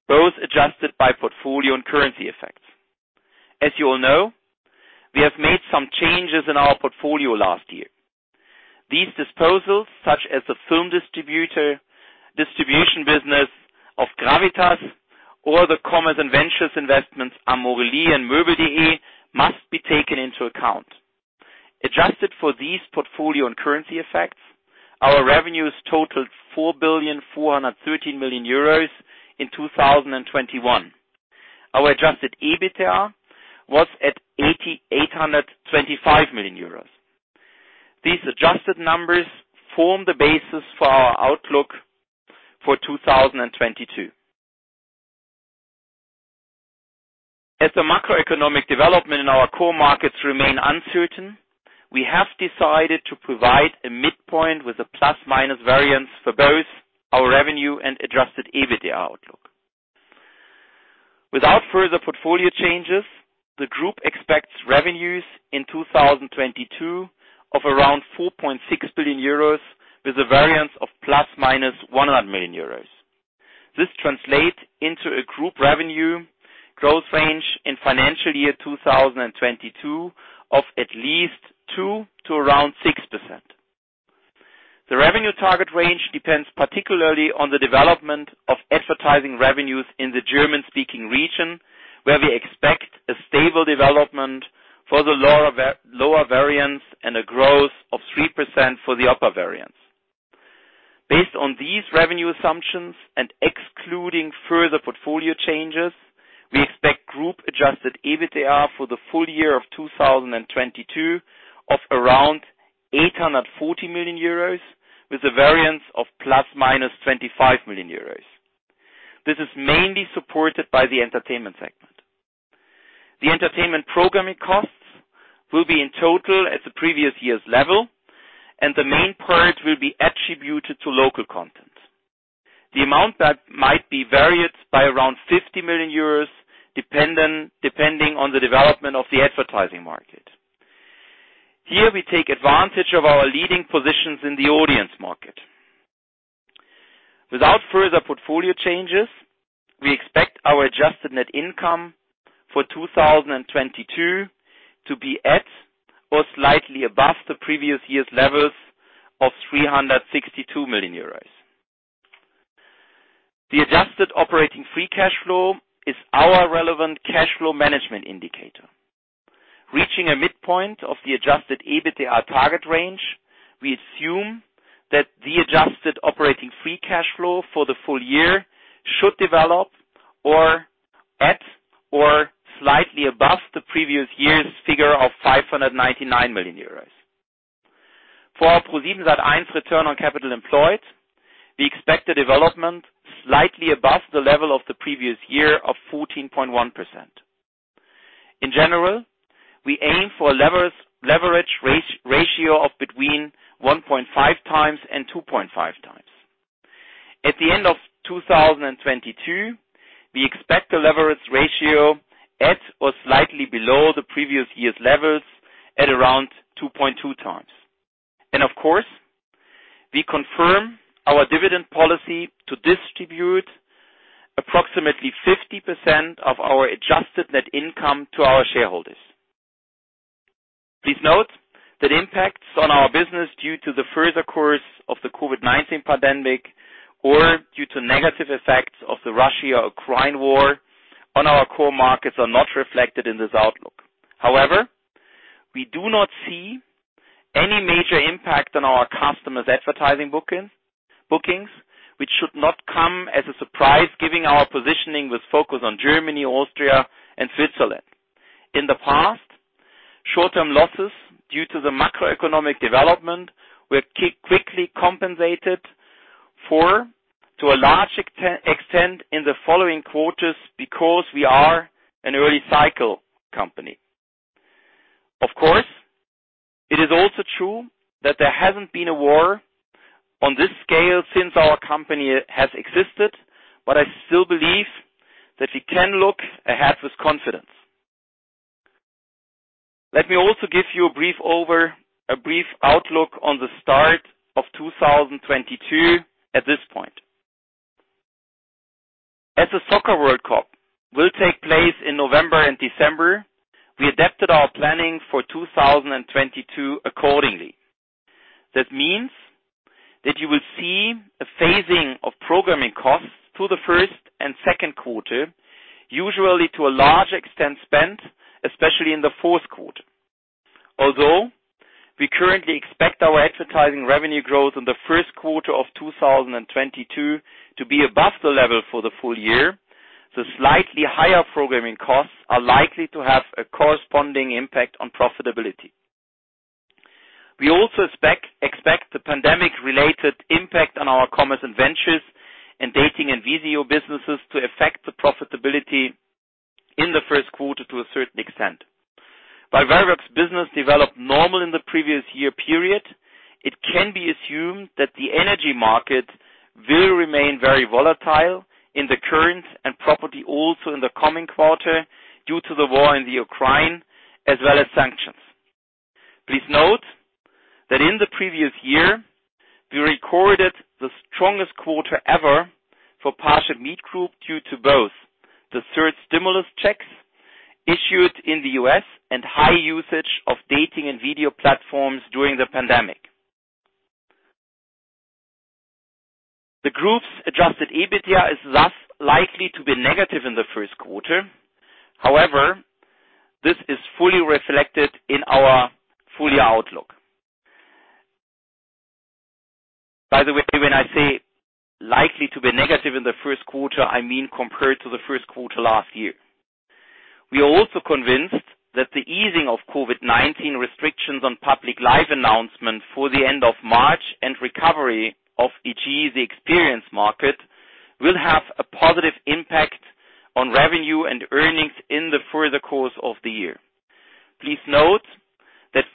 both adjusted by portfolio and currency effects. As you all know, we have made some changes in our portfolio last year. These disposals, such as the film distributor, distribution business of Gravitas or the Commerce & Ventures investments, Amorelie and moebel.de must be taken into account. Adjusted for these portfolio and currency effects, our revenues totaled 4.413 billion in 2021. Our adjusted EBITDA was at 882.5 million euros. These adjusted numbers form the basis for our outlook for 2022. As the macroeconomic development in our core markets remain uncertain, we have decided to provide a midpoint with a ± variance for both our revenue and adjusted EBITDA outlook. Without further portfolio changes, the group expects revenues in 2022 of around 4.6 billion euros, with a variance of ±100 million euros. This translates into a group revenue growth range in financial year 2022 of at least 2%-6%. The revenue target range depends particularly on the development of advertising revenues in the German-speaking region, where we expect a stable development for the lower variance and a growth of 3% for the upper variance. Based on these revenue assumptions and excluding further portfolio changes, we expect group-adjusted EBITDA for the full year of 2022 of around 840 million euros, with a variance of ±25 million euros. This is mainly supported by the Entertainment segment. The Entertainment programming costs will be in total at the previous year's level, and the main part will be attributed to local content. The amount that might be varied by around 50 million euros depending on the development of the advertising market. Here we take advantage of our leading positions in the audience market. Without further portfolio changes, we expect our adjusted net income for 2022 to be at or slightly above the previous year's levels of 362 million euros. The adjusted operating free cash flow is our relevant cash flow management indicator. Reaching a midpoint of the adjusted EBITDA target range, we assume that the adjusted operating free cash flow for the full year should be at or slightly above the previous year's figure of 599 million euros. For our ProSiebenSat.1 return on capital employed, we expect the development slightly above the level of the previous year of 14.1%. In general, we aim for a leverage ratio of between 1.5x and 2.5x. At the end of 2022, we expect the leverage ratio at or slightly below the previous year's levels at around 2.2x. Of course, we confirm our dividend policy to distribute approximately 50% of our adjusted net income to our shareholders. Please note that impacts on our business due to the further course of the COVID-19 pandemic or due to negative effects of the Russia or Ukraine war on our core markets are not reflected in this outlook. However, we do not see any major impact on our customers' advertising bookings, which should not come as a surprise given our positioning with focus on Germany, Austria and Switzerland. In the past, short-term losses due to the macroeconomic development were quickly compensated for to a large extent in the following quarters because we are an early cycle company. Of course, it is also true that there hasn't been a war on this scale since our company has existed, but I still believe that we can look ahead with confidence. Let me also give you a brief outlook on the start of 2022 at this point. As the Soccer World Cup will take place in November and December, we adapted our planning for 2022 accordingly. That means that you will see a phasing of programming costs to the first and second quarter, usually to a large extent spent, especially in the fourth quarter. Although we currently expect our advertising revenue growth in the first quarter of 2022 to be above the level for the full year, the slightly higher programming costs are likely to have a corresponding impact on profitability. We also expect the pandemic-related impact on our Commerce & Ventures and Dating & Video businesses to affect the profitability in the first quarter to a certain extent. While Verivox business developed normally in the previous year period, it can be assumed that the energy market will remain very volatile in the current and probably also in the coming quarter due to the war in Ukraine as well as sanctions. Please note that in the previous year, we recorded the strongest quarter ever for ParshipMeet Group due to both the third stimulus checks issued in the U.S. and high usage of Dating & Video platforms during the pandemic. The group's adjusted EBITDA is less likely to be negative in the first quarter. However, this is fully reflected in our full year outlook. By the way, when I say likely to be negative in the first quarter, I mean compared to the first quarter last year. We are also convinced that the easing of COVID-19 restrictions on public live events for the end of March and recovery of our experience market will have a positive impact on revenue and earnings in the further course of the year. Please note that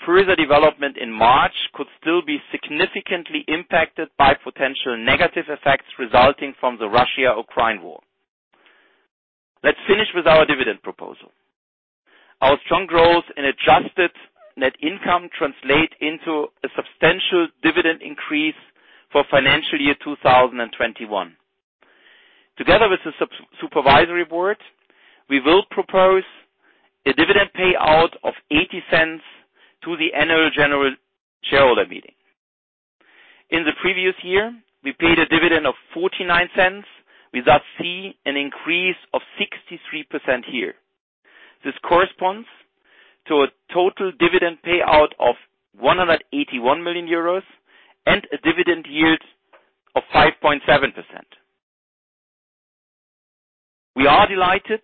further development in March could still be significantly impacted by potential negative effects resulting from the Russia-Ukraine war. Let's finish with our dividend proposal. Our strong growth in adjusted net income translate into a substantial dividend increase for financial year 2021. Together with the supervisory board, we will propose a dividend payout of 0.80 to the annual general shareholder meeting. In the previous year, we paid a dividend of 0.49. We thus see an increase of 63% here. This corresponds to a total dividend payout of 181 million euros and a dividend yield of 5.7%. We are delighted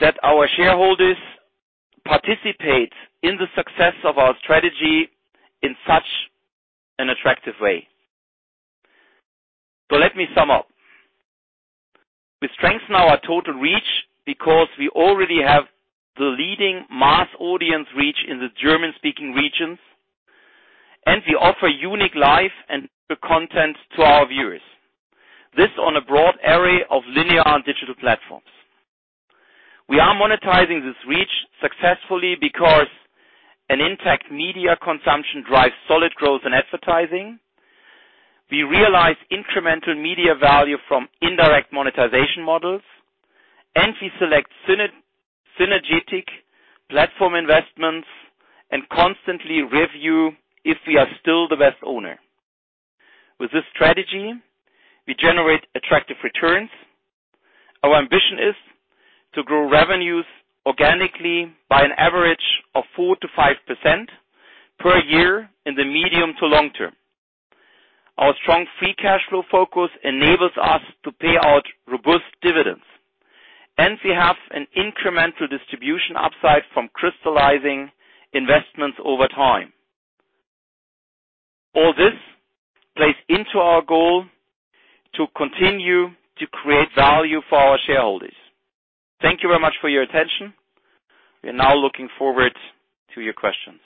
that our shareholders participate in the success of our strategy in such an attractive way. Let me sum up. We strengthen our total reach because we already have the leading mass audience reach in the German-speaking regions, and we offer unique live and the content to our viewers on a broad array of linear and digital platforms. We are monetizing this reach successfully because an intact media consumption drives solid growth in advertising. We realize incremental media value from indirect monetization models, and we select synergetic platform investments and constantly review if we are still the best owner. With this strategy, we generate attractive returns. Our ambition is to grow revenues organically by an average of 4%-5% per year in the medium to long term. Our strong free cash flow focus enables us to pay out robust dividends, and we have an incremental distribution upside from crystallizing investments over time. All this plays into our goal to continue to create value for our shareholders. Thank you very much for your attention. We are now looking forward to your questions.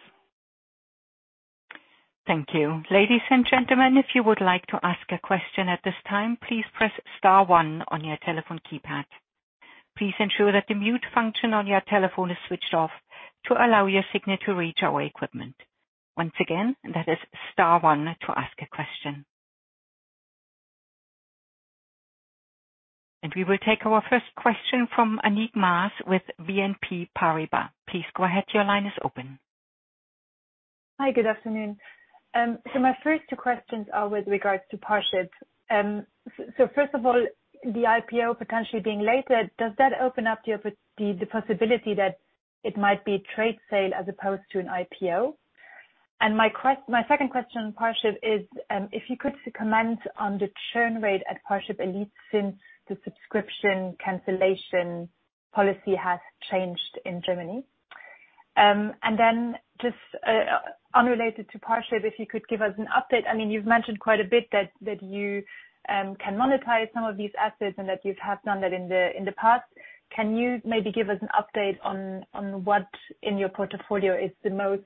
Thank you. Ladies and gentlemen, if you would like to ask a question at this time, please press star one on your telephone keypad. Please ensure that the mute function on your telephone is switched off to allow your signal to reach our equipment. Once again, that is star one to ask a question. We will take our first question from Annick Maas with BNP Paribas. Please go ahead. Your line is open. Hi, good afternoon. So my first two questions are with regards to Parship. So first of all, the IPO potentially being later, does that open up the possibility that it might be a trade sale as opposed to an IPO? And my second question on Parship is, if you could comment on the churn rate at Parship Elite since the subscription cancellation policy has changed in Germany. And then just unrelated to Parship, if you could give us an update. I mean, you've mentioned quite a bit that you can monetize some of these assets and that you have done that in the past. Can you maybe give us an update on what in your portfolio is the most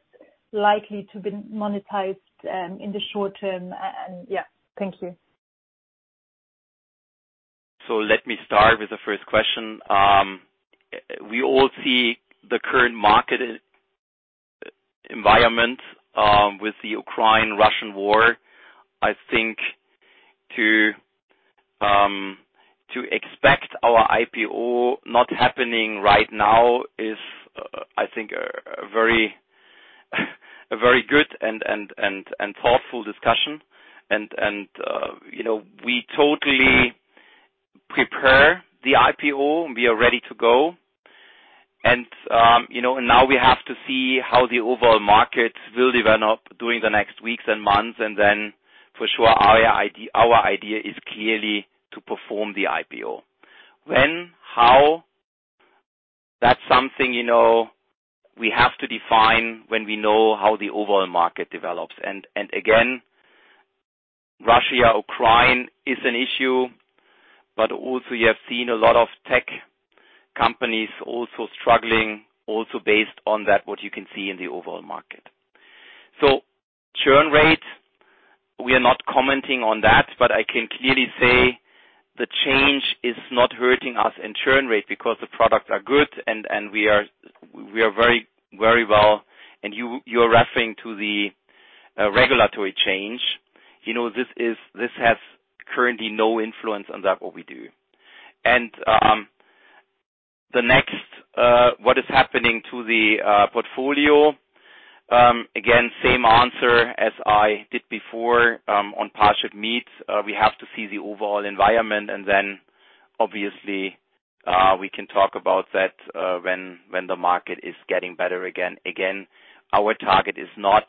likely to be monetized in the short term? Yeah. Thank you. Let me start with the first question. We all see the current market environment with the Ukraine-Russian war. I think to expect our IPO not happening right now is, I think a very good and thoughtful discussion. You know, we totally prepare the IPO. We are ready to go. You know, now we have to see how the overall market will develop during the next weeks and months. Then for sure, our idea is clearly to perform the IPO. When, how? That's something, you know, we have to define when we know how the overall market develops. Again, Russia, Ukraine is an issue, but also you have seen a lot of tech companies struggling based on that, what you can see in the overall market. Churn rate, we are not commenting on that, but I can clearly say the change is not hurting us in churn rate because the products are good and we are very well. You are referring to the regulatory change. You know, this has currently no influence on that, what we do. The next, what is happening to the portfolio, again, same answer as I did before, on ParshipMeet. We have to see the overall environment, and then obviously we can talk about that, when the market is getting better again. Again, our target is not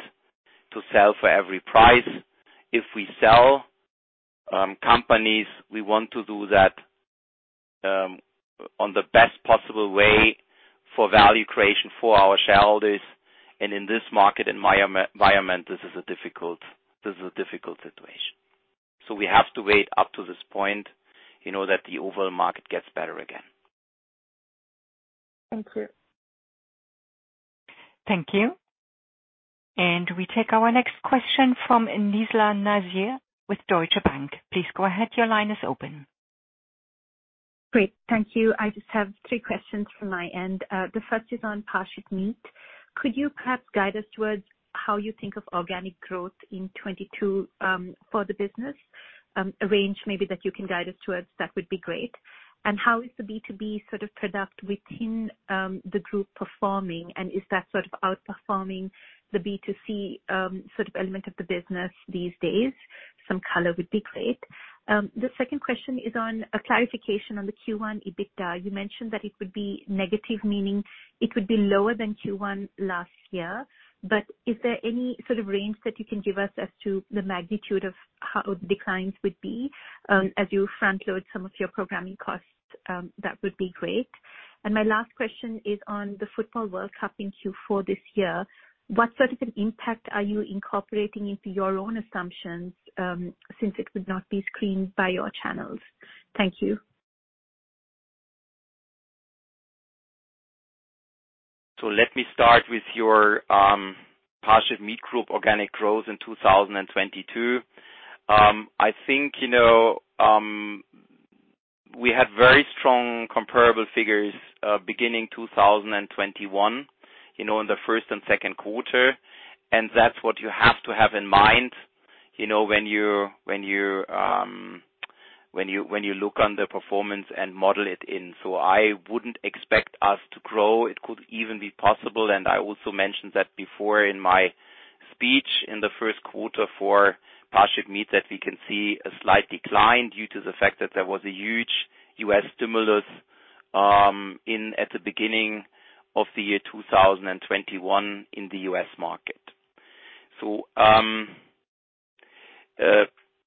to sell for every price. If we sell companies, we want to do that, on the best possible way for value creation for our shareholders. In this market environment, this is a difficult situation. We have to wait up to this point, you know, that the overall market gets better again. Thank you. Thank you. We take our next question from Nizla Naizer with Deutsche Bank. Please go ahead. Your line is open. Great. Thank you. I just have three questions from my end. The first is on ParshipMeet. Could you perhaps guide us towards how you think of organic growth in 2022 for the business? A range maybe that you can guide us towards, that would be great. How is the B2B sort of product within the group performing, and is that sort of outperforming the B2C sort of element of the business these days? Some color would be great. The second question is on a clarification on the Q1 EBITDA. You mentioned that it would be negative, meaning it would be lower than Q1 last year. Is there any sort of range that you can give us as to the magnitude of how declines would be as you front load some of your programming costs? That would be great. My last question is on the Football World Cup in Q4 this year. What sort of an impact are you incorporating into your own assumptions, since it would not be screened by your channels? Thank you. Let me start with your ParshipMeet Group organic growth in 2022. I think, you know, we had very strong comparable figures beginning 2021, you know, in the first and second quarter. That's what you have to have in mind, you know, when you look on the performance and model it in. I wouldn't expect us to grow. It could even be possible. I also mentioned that before in my speech in the first quarter for ParshipMeet, that we can see a slight decline due to the fact that there was a huge U.S. stimulus at the beginning of the year 2021 in the U.S. market. I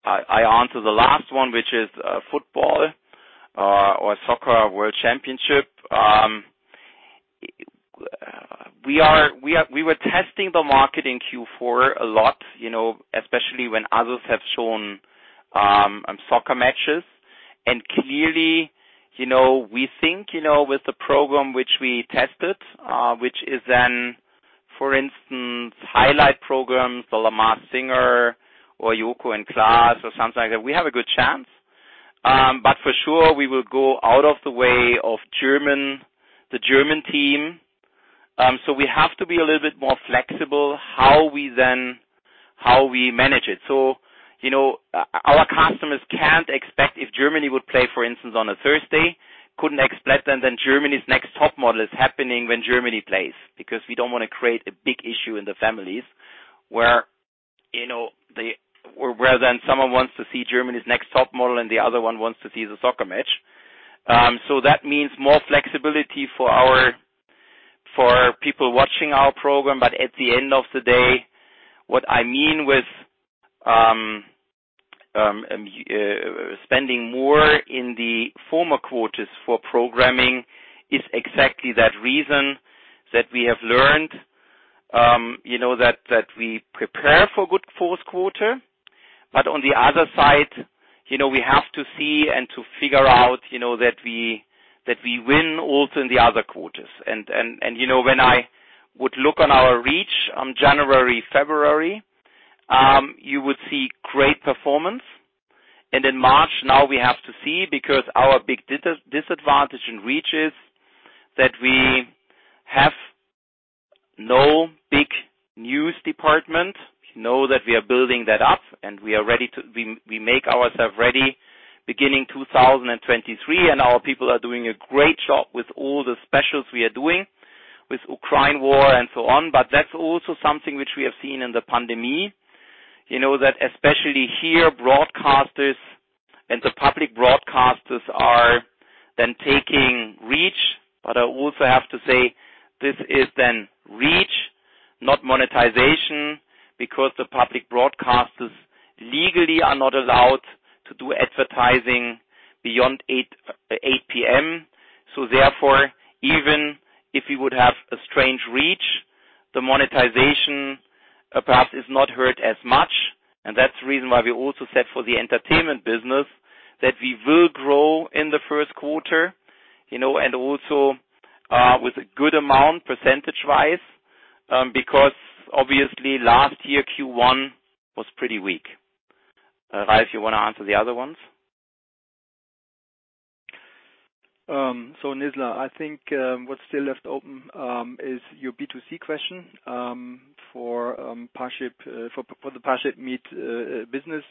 answer the last one, which is the football or soccer world championship. We were testing the market in Q4 a lot, you know, especially when others have shown soccer matches. Clearly, you know, we think, you know, with the program which we tested, which is then, for instance, highlight programs, The Masked Singer or Joko und Klaas or something like that, we have a good chance. But for sure, we will go out of the way of the German team. We have to be a little bit more flexible how we manage it. You know, our customers can't expect if Germany would play, for instance, on a Thursday, couldn't expect then, Germany's Next Top Model is happening when Germany plays, because we don't wanna create a big issue in the families where, you know, where then someone wants to see Germany's Next Top Model and the other one wants to see the soccer match. That means more flexibility for our people watching our program. At the end of the day, what I mean with spending more in the former quarters for programming is exactly that reason that we have learned, you know, that we prepare for good fourth quarter. On the other side, you know, we have to see and to figure out, you know, that we win also in the other quarters. You know, when I would look on our reach in January, February, you would see great performance. In March, now we have to see, because our big disadvantage in reach is that we have no big news department. We know that we are building that up, and we are ready. We make ourself ready beginning 2023, and our people are doing a great job with all the specials we are doing with Ukraine war and so on. That's also something which we have seen in the pandemic, you know, that especially here, broadcasters and the public broadcasters are then taking reach. I also have to say this is then reach, not monetization, because the public broadcasters legally are not allowed to do advertising beyond 8 P.M. Even if we would have a strong reach, the monetization perhaps is not hurt as much. That's the reason why we also said for the Entertainment business that we will grow in the first quarter, you know, and also with a good amount percentage-wise, because obviously last year, Q1 was pretty weak. Ralf, you wanna answer the other ones? Nizla, I think what's still left open is your B2C question for Parship for the ParshipMeet business.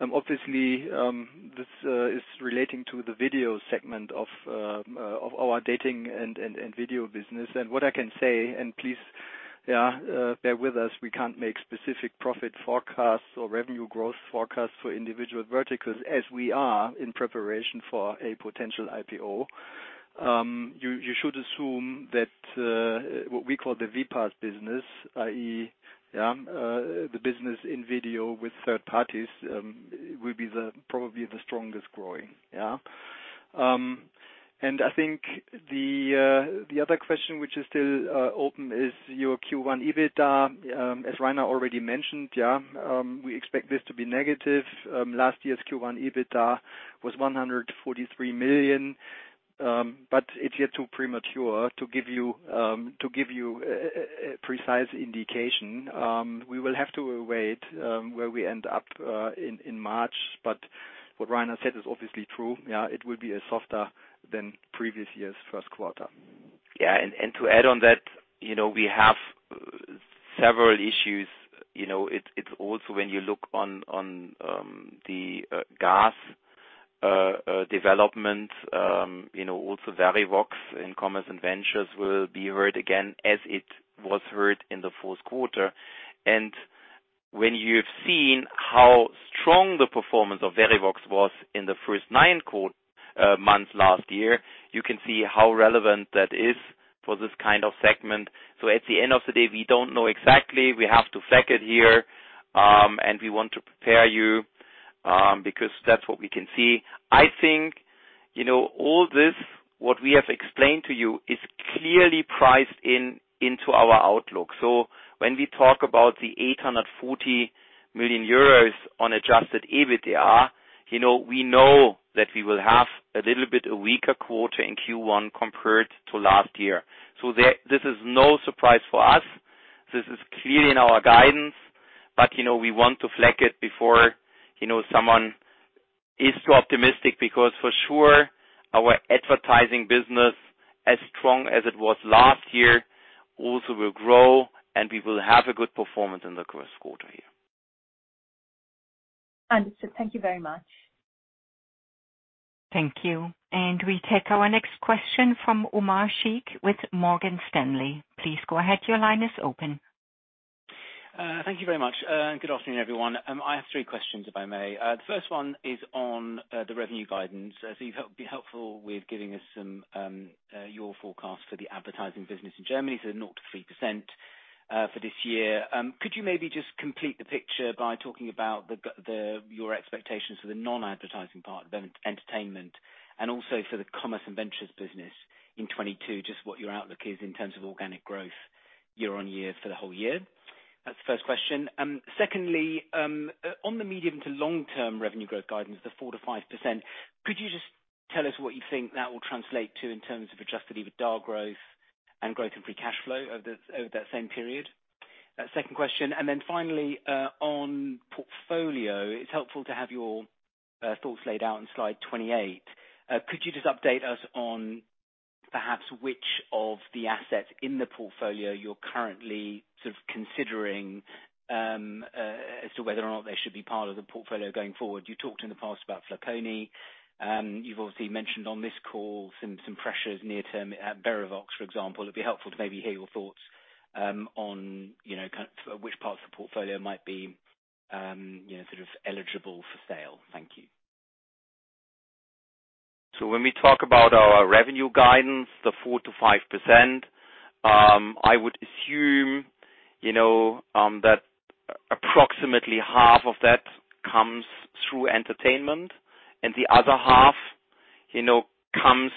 Obviously, this is relating to the video segment of our Dating & Video business. What I can say, and please bear with us, we can't make specific profit forecasts or revenue growth forecasts for individual verticals as we are in preparation for a potential IPO. You should assume that what we call the VPaaS business, i.e., the business in video with third parties, will be probably the strongest growing. I think the other question which is still open is your Q1 EBITDA. As Rainer already mentioned, we expect this to be negative. Last year's Q1 EBITDA was 100 million-143 million, but it's yet too premature to give you a precise indication. We will have to wait to see where we end up in March. What Rainer said is obviously true. Yeah, it will be softer than previous year's first quarter. To add on that, you know, we have several issues. You know, it's also when you look on the GaaS development, you know, also Verivox and Commerce & Ventures will be hurt again as it was hurt in the fourth quarter. When you've seen how strong the performance of Verivox was in the first nine months last year, you can see how relevant that is for this kind of segment. At the end of the day, we don't know exactly. We have to flag it here and we want to prepare you because that's what we can see. I think, you know, all this, what we have explained to you, is clearly priced in into our outlook. When we talk about the 840 million euros of adjusted EBITDA, you know, we know that we will have a little bit of a weaker quarter in Q1 compared to last year. This is no surprise for us. This is clearly in our guidance. You know, we want to flag it before, you know, someone is too optimistic, because for sure, our advertising business, as strong as it was last year, also will grow, and we will have a good performance in the current quarter here. Understood. Thank you very much. Thank you. We take our next question from Omar Sheikh with Morgan Stanley. Please go ahead. Your line is open. Thank you very much. Good afternoon, everyone. I have three questions, if I may. The first one is on the revenue guidance. You'd be helpful with giving us some of your forecast for the advertising business in Germany, 0%-3% for this year. Could you maybe just complete the picture by talking about your expectations for the non-advertising part, the Entertainment, and also for the Commerce & Ventures business in 2022, just what your outlook is in terms of organic growth year-over-year for the whole year? That's the first question. Secondly, on the medium to long-term revenue growth guidance, the 4%-5%, could you just tell us what you think that will translate to in terms of adjusted EBITDA growth and growth in free cash flow over that same period? Second question. Finally, on portfolio, it's helpful to have your thoughts laid out on slide 28. Could you just update us on perhaps which of the assets in the portfolio you're currently sort of considering as to whether or not they should be part of the portfolio going forward? You talked in the past about Flaconi. You've obviously mentioned on this call some pressures near term at Verivox, for example. It'd be helpful to maybe hear your thoughts on, you know, which parts of the portfolio might be, you know, sort of eligible for sale. Thank you. When we talk about our revenue guidance, the 4%-5%, I would assume, you know, that approximately half of that comes through Entertainment and the other half, you know, comes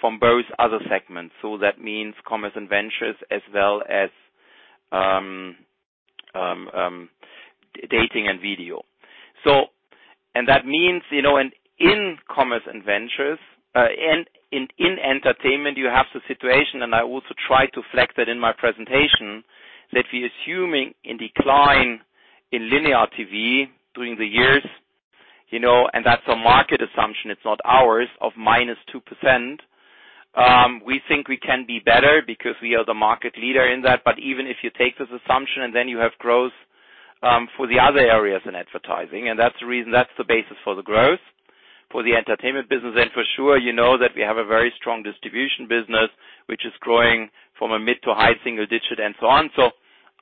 from both other segments. That means, you know, and in Commerce & Ventures, and in Entertainment, you have the situation, and I also try to flex that in my presentation, that we assuming in decline in linear TV during the years, you know, and that's a market assumption, it's not ours, of -2%. We think we can be better because we are the market leader in that. Even if you take this assumption, and then you have growth for the other areas in advertising, and that's the reason, that's the basis for the growth for the Entertainment business. For sure, you know that we have a very strong distribution business which is growing from a mid- to high single-digit and so on.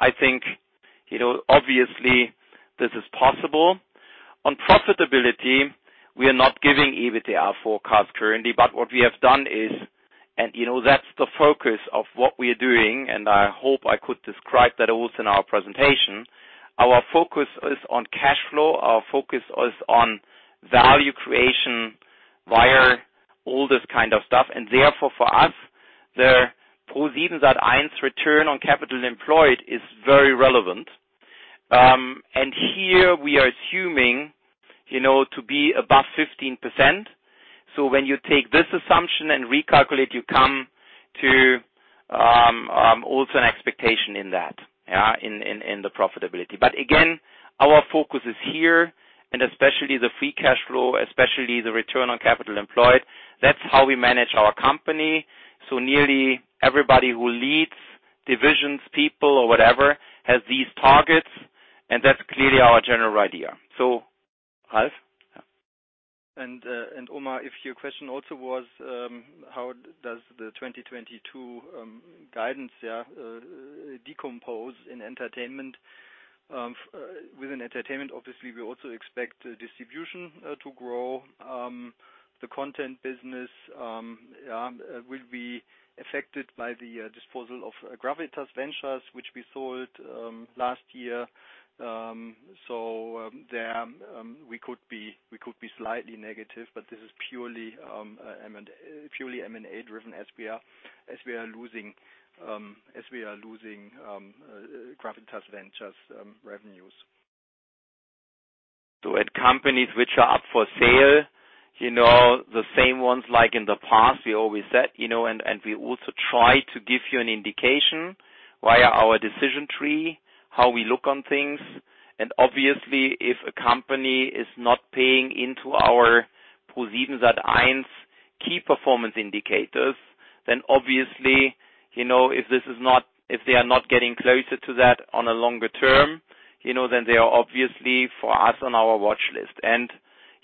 I think, you know, obviously this is possible. On profitability, we are not giving EBITDA forecast currently, but what we have done is, you know, that's the focus of what we are doing, and I hope I could describe that also in our presentation. Our focus is on cash flow. Our focus is on value creation via all this kind of stuff. Therefore, for us, the position as number one return on capital employed is very relevant. Here we are assuming, you know, to be above 15%. When you take this assumption and recalculate, you come to also an expectation in that, yeah, in the profitability. Again, our focus is here and especially the free cash flow, especially the return on capital employed. That's how we manage our company. Nearly everybody who leads divisions, people or whatever, has these targets, and that's clearly our general idea. Ralf? Omar, if your question also was how does the 2022 guidance decompose in Entertainment, within Entertainment, obviously we also expect distribution to grow. The content business will be affected by the disposal of Gravitas Ventures, which we sold last year. There we could be slightly negative, but this is purely M&A driven as we are losing Gravitas Ventures' revenues. At companies which are up for sale, you know, the same ones like in the past we always said, you know, and we also try to give you an indication via our decision tree, how we look on things. Obviously if a company is not paying into our ProSiebenSat.1 key performance indicators, then obviously you know if they are not getting closer to that on a longer term, you know, then they are obviously for us on our watch list.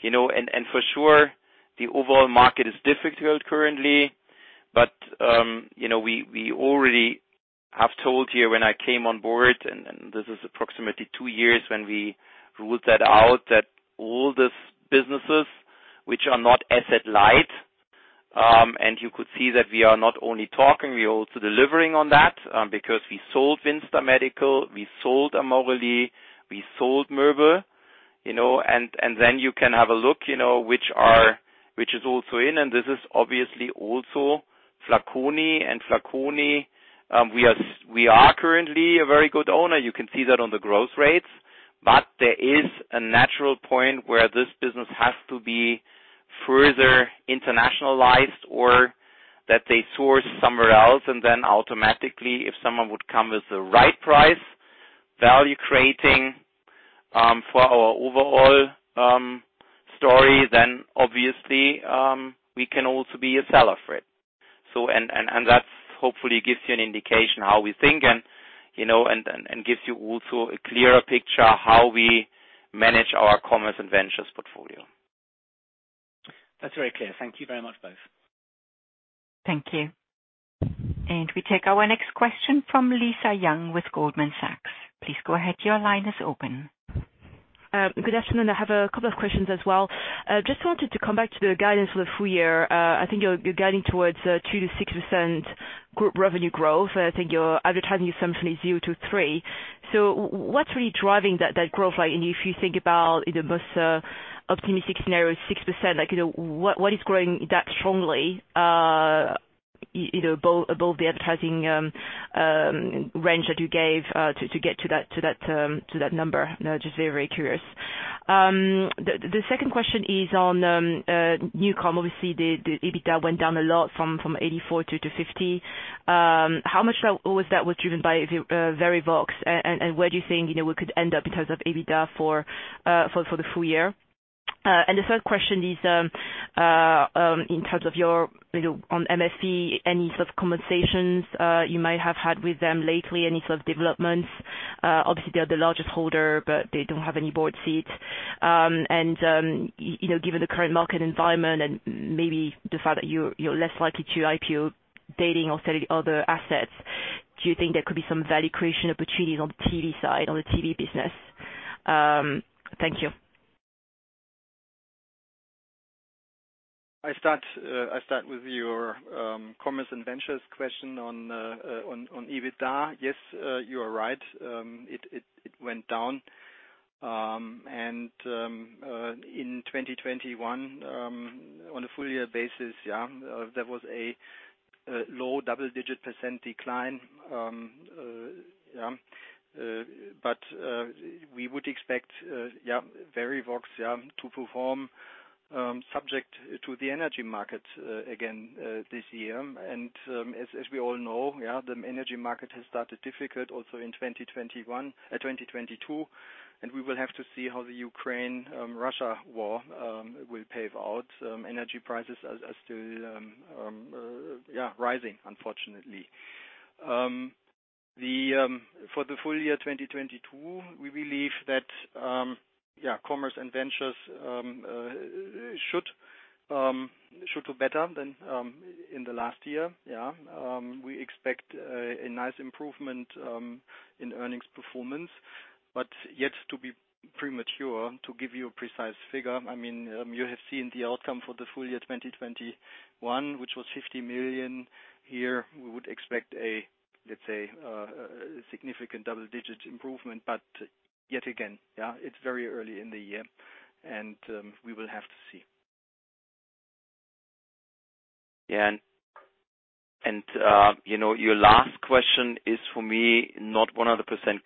You know, for sure the overall market is difficult currently, but you know, we already have told you when I came on board, and this is approximately two years when we ruled that out, that all these businesses which are not asset light, and you could see that we are not only talking, we are also delivering on that, because we sold WindStar Medical, we sold Amorelie, we sold moebel.de, you know. Then you can have a look, you know, which are, which is also in, and this is obviously also Flaconi. Flaconi, we are currently a very good owner. You can see that on the growth rates. There is a natural point where this business has to be further internationalized or that they source somewhere else and then automatically if someone would come with the right price, value creating for our overall story, then obviously we can also be a seller for it. And that hopefully gives you an indication how we think and, you know, gives you also a clearer picture how we manage our Commerce & Ventures portfolio. That's very clear. Thank you very much both. Thank you. We take our next question from Lisa Yang with Goldman Sachs. Please go ahead. Your line is open. Good afternoon. I have a couple of questions as well. Just wanted to come back to the guidance for the full year. I think you're guiding towards 2%-6% group revenue growth. I think your advertising assumption is 0%-3%. What's really driving that growth? Like, and if you think about the most optimistic scenario is 6%, like, you know, what is growing that strongly, you know, above the advertising range that you gave to get to that number? Now, just very curious. The second question is on NuCom. Obviously the EBITDA went down a lot from 84-50. How much of that was driven by Verivox? Where do you think, you know, we could end up in terms of EBITDA for the full year? The third question is in terms of your, you know, on MFE, any sort of conversations you might have had with them lately? Any sort of developments? Obviously they are the largest holder, but they don't have any board seats. You know, given the current market environment and maybe the fact that you're less likely to IPO dating or selling other assets, do you think there could be some value creation opportunities on the TV side, on the TV business? Thank you. I start with your Commerce & Ventures question on EBITDA. Yes. You are right. It went down. In 2021, on a full year basis, there was a low double-digit % decline. We would expect Verivox to perform, subject to the energy market, again this year. As we all know, the energy market has started difficult also in 2021, 2022. We will have to see how the Ukraine-Russia war will play out. Energy prices are still rising, unfortunately. For the full year 2022, we believe that Commerce & Ventures should do better than in the last year. We expect a nice improvement in earnings performance. But it's premature to give you a precise figure, I mean, you have seen the outcome for the full year 2021, which was 50 million. Here, we would expect, let's say, a significant double-digit improvement, but yet again, it's very early in the year, and we will have to see. Yeah, you know, your last question is for me not 100%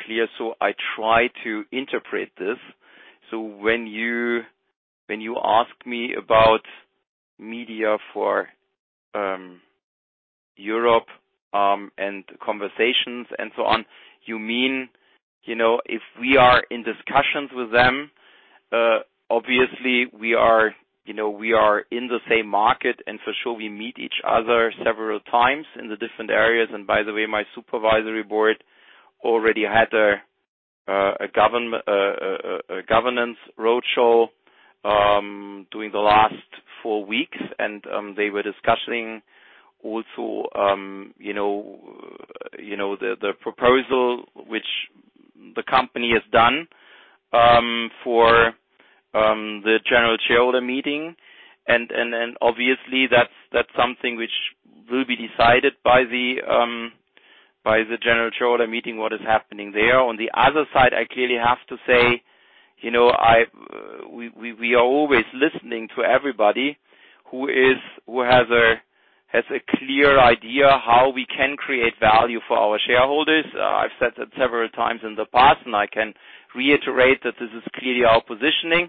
clear, so I try to interpret this. When you ask me about MEDIAFOREUROPE and conversations and so on, you mean, you know, if we are in discussions with them, obviously we are, you know, we are in the same market. For sure we meet each other several times in the different areas. By the way, my supervisory board already had a governance roadshow during the last four weeks. They were discussing also, you know, the proposal which the company has done for the general shareholder meeting. Obviously that's something which will be decided by the general shareholder meeting, what is happening there. On the other side, I clearly have to say, you know, we are always listening to everybody who has a clear idea how we can create value for our shareholders. I've said that several times in the past, and I can reiterate that this is clearly our positioning.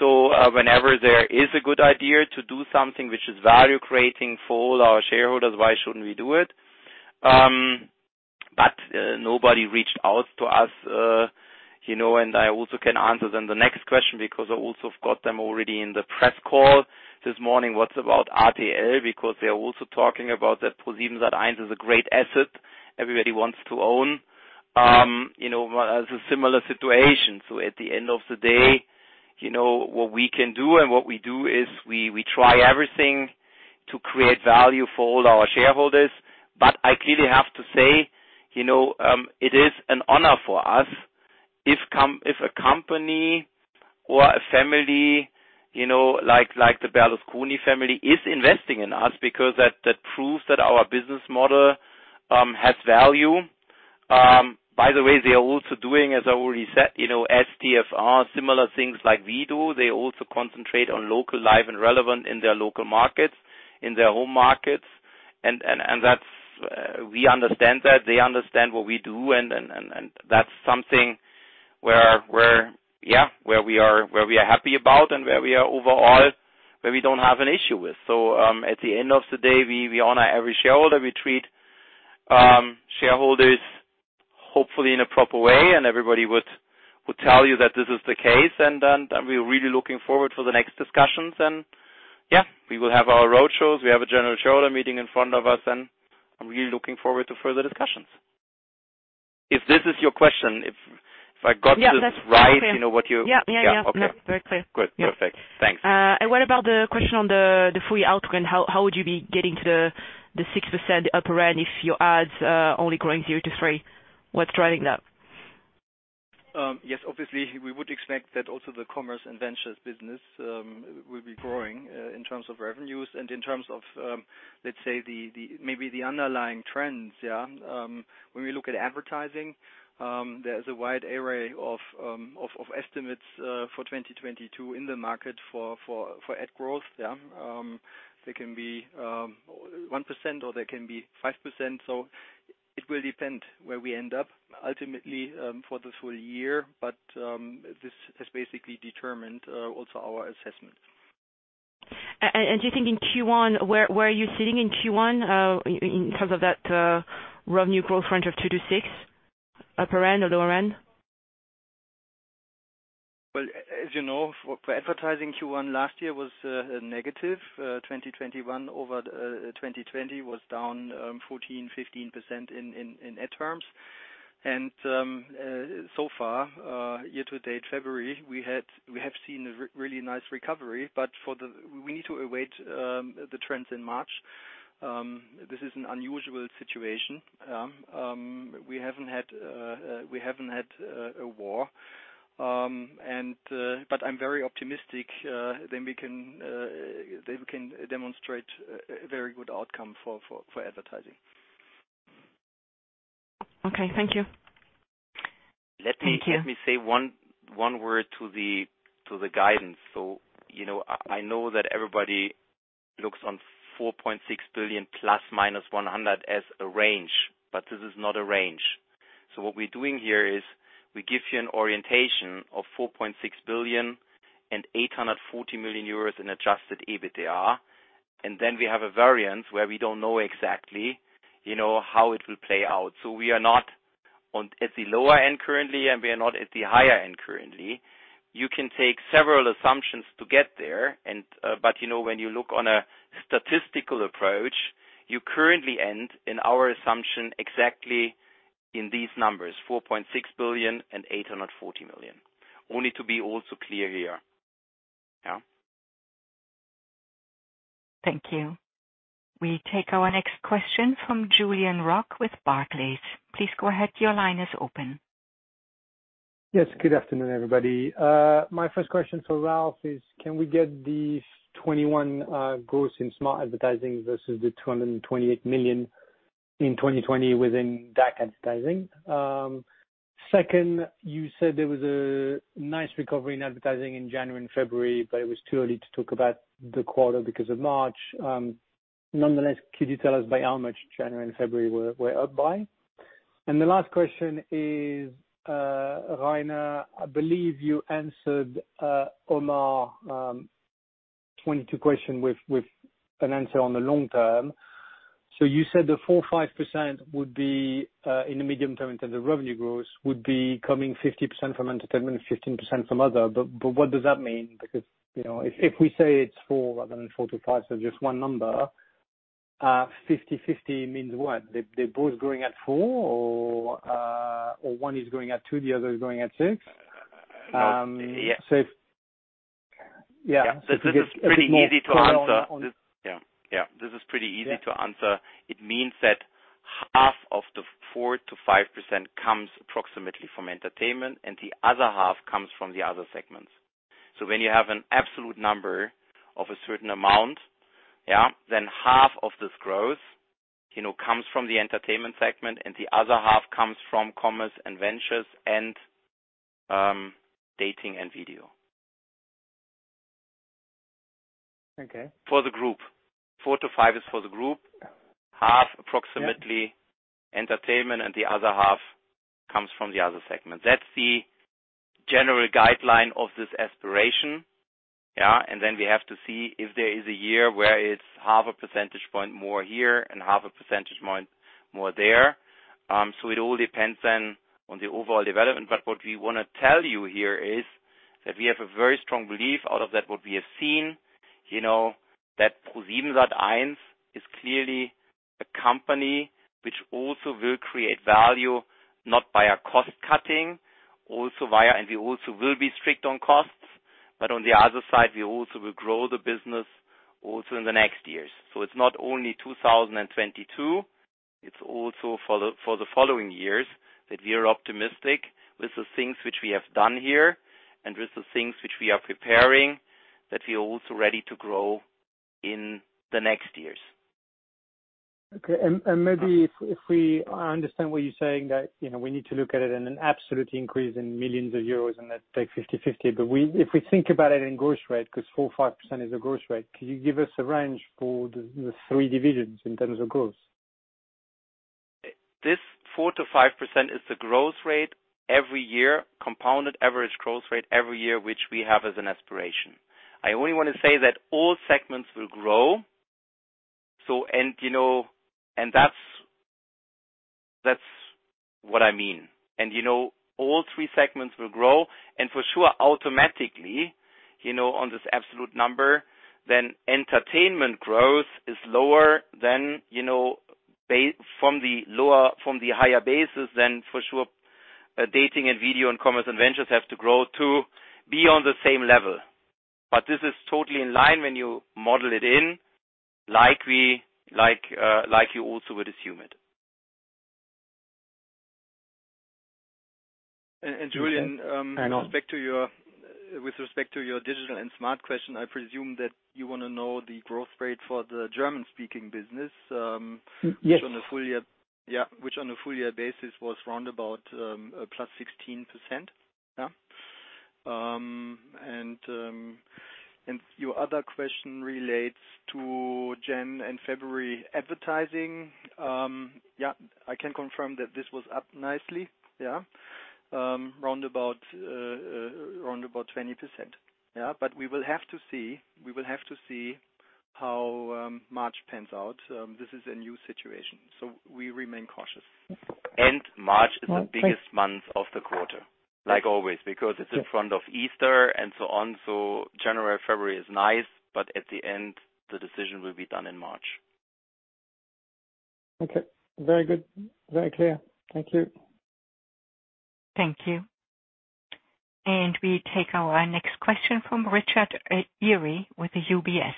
Whenever there is a good idea to do something which is value-creating for all our shareholders, why shouldn't we do it? But nobody reached out to us, you know, and I also can answer then the next question because I also have got them already in the press call this morning. What about RTL? Because they are also talking about that ProSiebenSat.1 is a great asset everybody wants to own. But as a similar situation. At the end of the day, you know, what we can do and what we do is we try everything to create value for all our shareholders. I clearly have to say, you know, it is an honor for us if a company or a family, you know, like the Berlusconi family is investing in us because that proves that our business model has value. By the way, they are also doing, as I already said, you know, STFR, similar things like we do. They also concentrate on local, live, and relevant in their local markets, in their home markets. We understand that they understand what we do and that's something where yeah we are happy about and where we are overall where we don't have an issue with. At the end of the day, we honor every shareholder. We treat shareholders hopefully in a proper way, and everybody would tell you that this is the case. We're really looking forward for the next discussions. Yeah, we will have our roadshows. We have a general shareholder meeting in front of us, and I'm really looking forward to further discussions. If this is your question, if I got this right. Yeah. That's clear. You know, what you. Yeah, yeah. Yeah. Okay. That's very clear. Good. Perfect. Thanks. What about the question on the full year outcome? How would you be getting to the 6% upper end if your ads are only growing 0%-3%? What's driving that? Yes. Obviously we would expect that also the Commerce & Ventures business will be growing in terms of revenues and in terms of, let's say, the underlying trends. When we look at advertising, there's a wide array of estimates for 2022 in the market for ad growth. They can be 1% or they can be 5%. It will depend where we end up ultimately for the full year. This has basically determined also our assessment. Do you think in Q1, where are you sitting in Q1, in terms of that revenue growth range of 2%-6%, upper end or lower end? Well, as you know, for advertising, Q1 last year was negative. 2021 over 2020 was down 14%-15% in ad terms. So far, year-to-date February, we have seen a really nice recovery, but we need to await the trends in March. This is an unusual situation. We haven't had a war. But I'm very optimistic that we can demonstrate a very good outcome for advertising. Okay. Thank you. Let me say one word to the guidance. You know, I know that everybody looks on 4.6 billion ±100 as a range, but this is not a range. What we're doing here is we give you an orientation of 4.6 billion and 840 million euros in adjusted EBITDA. Then we have a variance where we don't know exactly, you know, how it will play out. We are not at the lower end currently, and we are not at the higher end currently. You can take several assumptions to get there. You know, when you look on a statistical approach, you currently end in our assumption exactly in these numbers, 4.6 billion and 840 million. Only to be also clear here. Thank you. We take our next question from Julien Roch with Barclays. Please go ahead. Your line is open. Yes. Good afternoon, everybody. My first question for Ralf is can we get the 21% growth in smart advertising versus the 228 million in 2020 within DACH advertising? Second, you said there was a nice recovery in advertising in January and February, but it was too early to talk about the quarter because of March. Nonetheless, could you tell us by how much January and February were up by? The last question is, Rainer, I believe you answered Omar 2022 question with an answer on the long term. You said the 4%-5% would be in the medium term in terms of revenue growth, would be coming 50% from Entertainment and 15% from other. What does that mean? Because, you know, if we say it's 4% rather than 4%-5%, so just one number, 50/50 means what? They're both growing at 4% or one is growing at 2%, the other is growing at 6%? So if Yeah. Yeah. This is pretty easy to answer Yeah. Yeah. This is pretty easy to answer. It means that half of the 4%-5% comes approximately from Entertainment, and the other half comes from the other segments. When you have an absolute number of a certain amount, yeah, then half of this growth, you know, comes from the Entertainment segment, and the other half comes from Commerce & Ventures and Dating & Video. Okay. For the group. Four to five is for the group. Yeah. Half approximately Entertainment and the other half comes from the other segment. That's the general guideline of this aspiration. We have to see if there is a year where it's 0.5 percentage point more here and 0.5 percentage point more there. It all depends then on the overall development. What we wanna tell you here is that we have a very strong belief out of that what we have seen, you know, that ProSiebenSat.1 is clearly a company which also will create value, not by a cost cutting, and we also will be strict on costs, but on the other side, we also will grow the business also in the next years. It's not only 2022, it's also for the following years that we are optimistic with the things which we have done here and with the things which we are preparing, that we are also ready to grow in the next years. Okay. Maybe I understand what you're saying, that, you know, we need to look at it in an absolute increase in millions of euros and let's take 50/50. If we think about it in growth rate, 'cause 4%-5% is a growth rate, can you give us a range for the three divisions in terms of growth? This 4%-5% is the growth rate every year, compounded average growth rate every year, which we have as an aspiration. I only wanna say that all segments will grow. You know, and that's what I mean. You know, all three segments will grow and for sure, automatically, you know, on this absolute number, then Entertainment growth is lower than, you know, from the higher basis then for sure, Dating & Video and Commerce & Ventures have to grow to be on the same level. But this is totally in line when you model it in like we, like you also would assume it. Julien. Hang on. With respect to your digital and smart question, I presume that you wanna know the growth rate for the German-speaking business. Yes. Which on a full year basis was around +16%. Your other question relates to January and February advertising. I can confirm that this was up nicely. Around 20%. We will have to see how March pans out. This is a new situation, so we remain cautious. March is the biggest month of the quarter, like always, because it's in front of Easter and so on. January, February is nice, but at the end, the decision will be done in March. Okay. Very good. Very clear. Thank you. Thank you. We take our next question from Richard Eary with the UBS.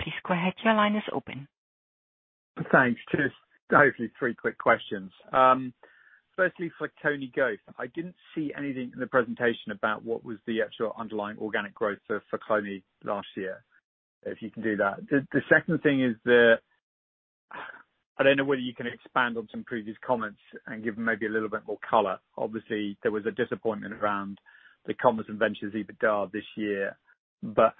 Please go ahead. Your line is open. Thanks. Just hopefully three quick questions. Firstly for Flaconi growth. I didn't see anything in the presentation about what was the actual underlying organic growth for Flaconi last year. If you can do that. I don't know whether you can expand on some previous comments and give maybe a little bit more color. Obviously, there was a disappointment around the Commerce & Ventures EBITDA this year.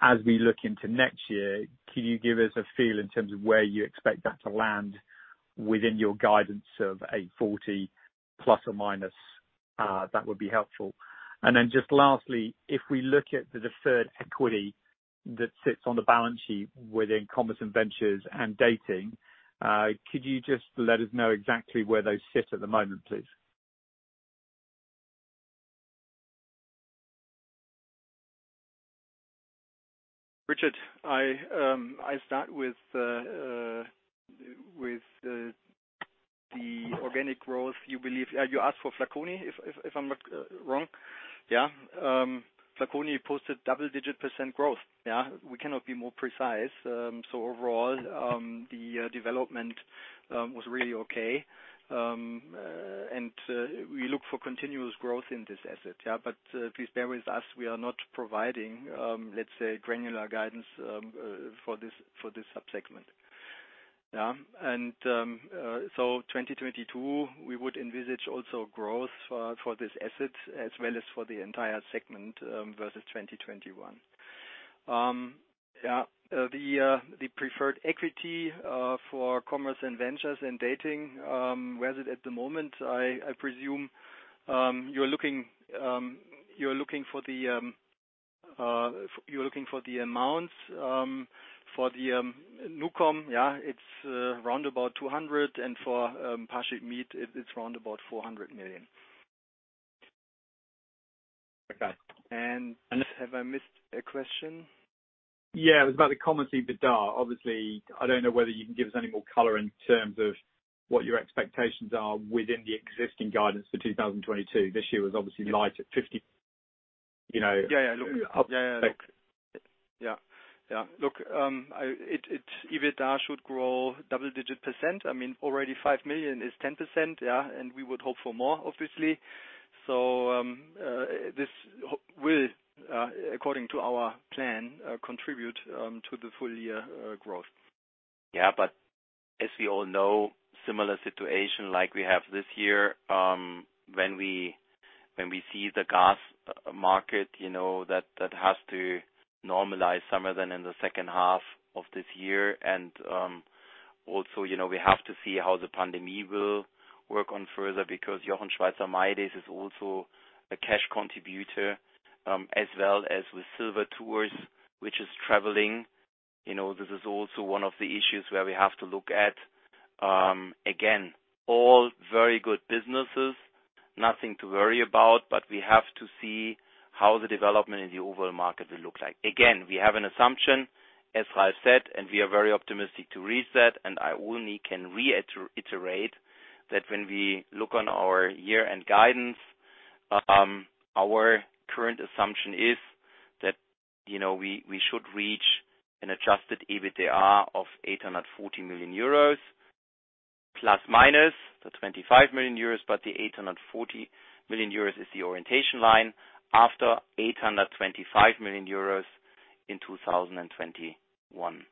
As we look into next year, can you give us a feel in terms of where you expect that to land within your guidance of 840 ±? That would be helpful. Just lastly, if we look at the deferred equity that sits on the balance sheet within Commerce & Ventures and Dating, could you just let us know exactly where those sit at the moment, please? Richard, I start with the organic growth. You asked for Flaconi, if I'm not wrong. Yeah. Flaconi posted double-digit% growth. Yeah. We cannot be more precise. Overall, the development was really okay. We look for continuous growth in this asset, yeah. Please bear with us, we are not providing, let's say, granular guidance for this sub-segment. Yeah. 2022, we would envisage also growth for this asset as well as for the entire segment versus 2021. Yeah. The preferred equity for Commerce & Ventures and Dating, where is it at the moment? I presume you're looking for the amounts for the NuCom. Yeah. It's around about 200 million, and for ParshipMeet, it's around about 400 million. Okay. Have I missed a question? Yeah. It was about the Commerce EBITDA. Obviously, I don't know whether you can give us any more color in terms of what your expectations are within the existing guidance for 2022. This year was obviously light at 50, you know. Yeah. Look, its EBITDA should grow double-digit percent. I mean, already 5 million is 10%, yeah, and we would hope for more, obviously. This will, according to our plan, contribute to the full year growth. Yeah, as we all know, similar situation like we have this year, when we see the gas market, you know, that has to normalize somewhere then in the second half of this year. Also, you know, we have to see how the pandemic will work on further because Jochen Schweizer mydays is also a cash contributor, as well as with Silver Tours, which is traveling. You know, this is also one of the issues where we have to look at. Again, all very good businesses, nothing to worry about, but we have to see how the development in the overall market will look like. Again, we have an assumption, as Ralf said, and we are very optimistic to reach that, and I only can iterate that when we look on our year-end guidance, our current assumption is that, you know, we should reach an adjusted EBITDA of 840 million euros ± 25 million euros. The 840 million euros is the orientation line after 825 million euros in 2021.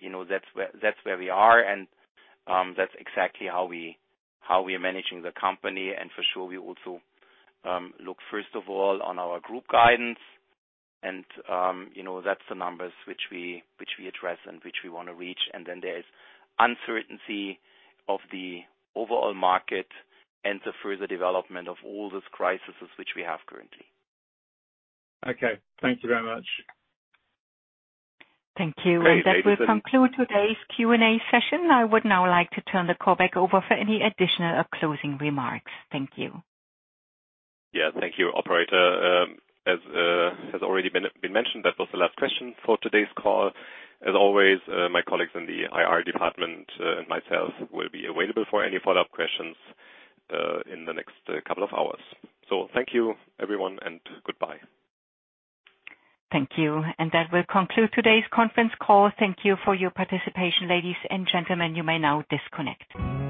You know, that's where we are, and that's exactly how we are managing the company. For sure, we also look first of all on our group guidance, and you know, that's the numbers which we address and which we wanna reach. There's uncertainty of the overall market and the further development of all those crises which we have currently. Okay. Thank you very much. Thank you. That will conclude today's Q&A session. I would now like to turn the call back over for any additional or closing remarks. Thank you. Yeah. Thank you, operator. As has already been mentioned, that was the last question for today's call. As always, my colleagues in the IR department and myself will be available for any follow-up questions in the next couple of hours. Thank you everyone and goodbye. Thank you. That will conclude today's conference call. Thank you for your participation ladies and gentlemen. You may now disconnect.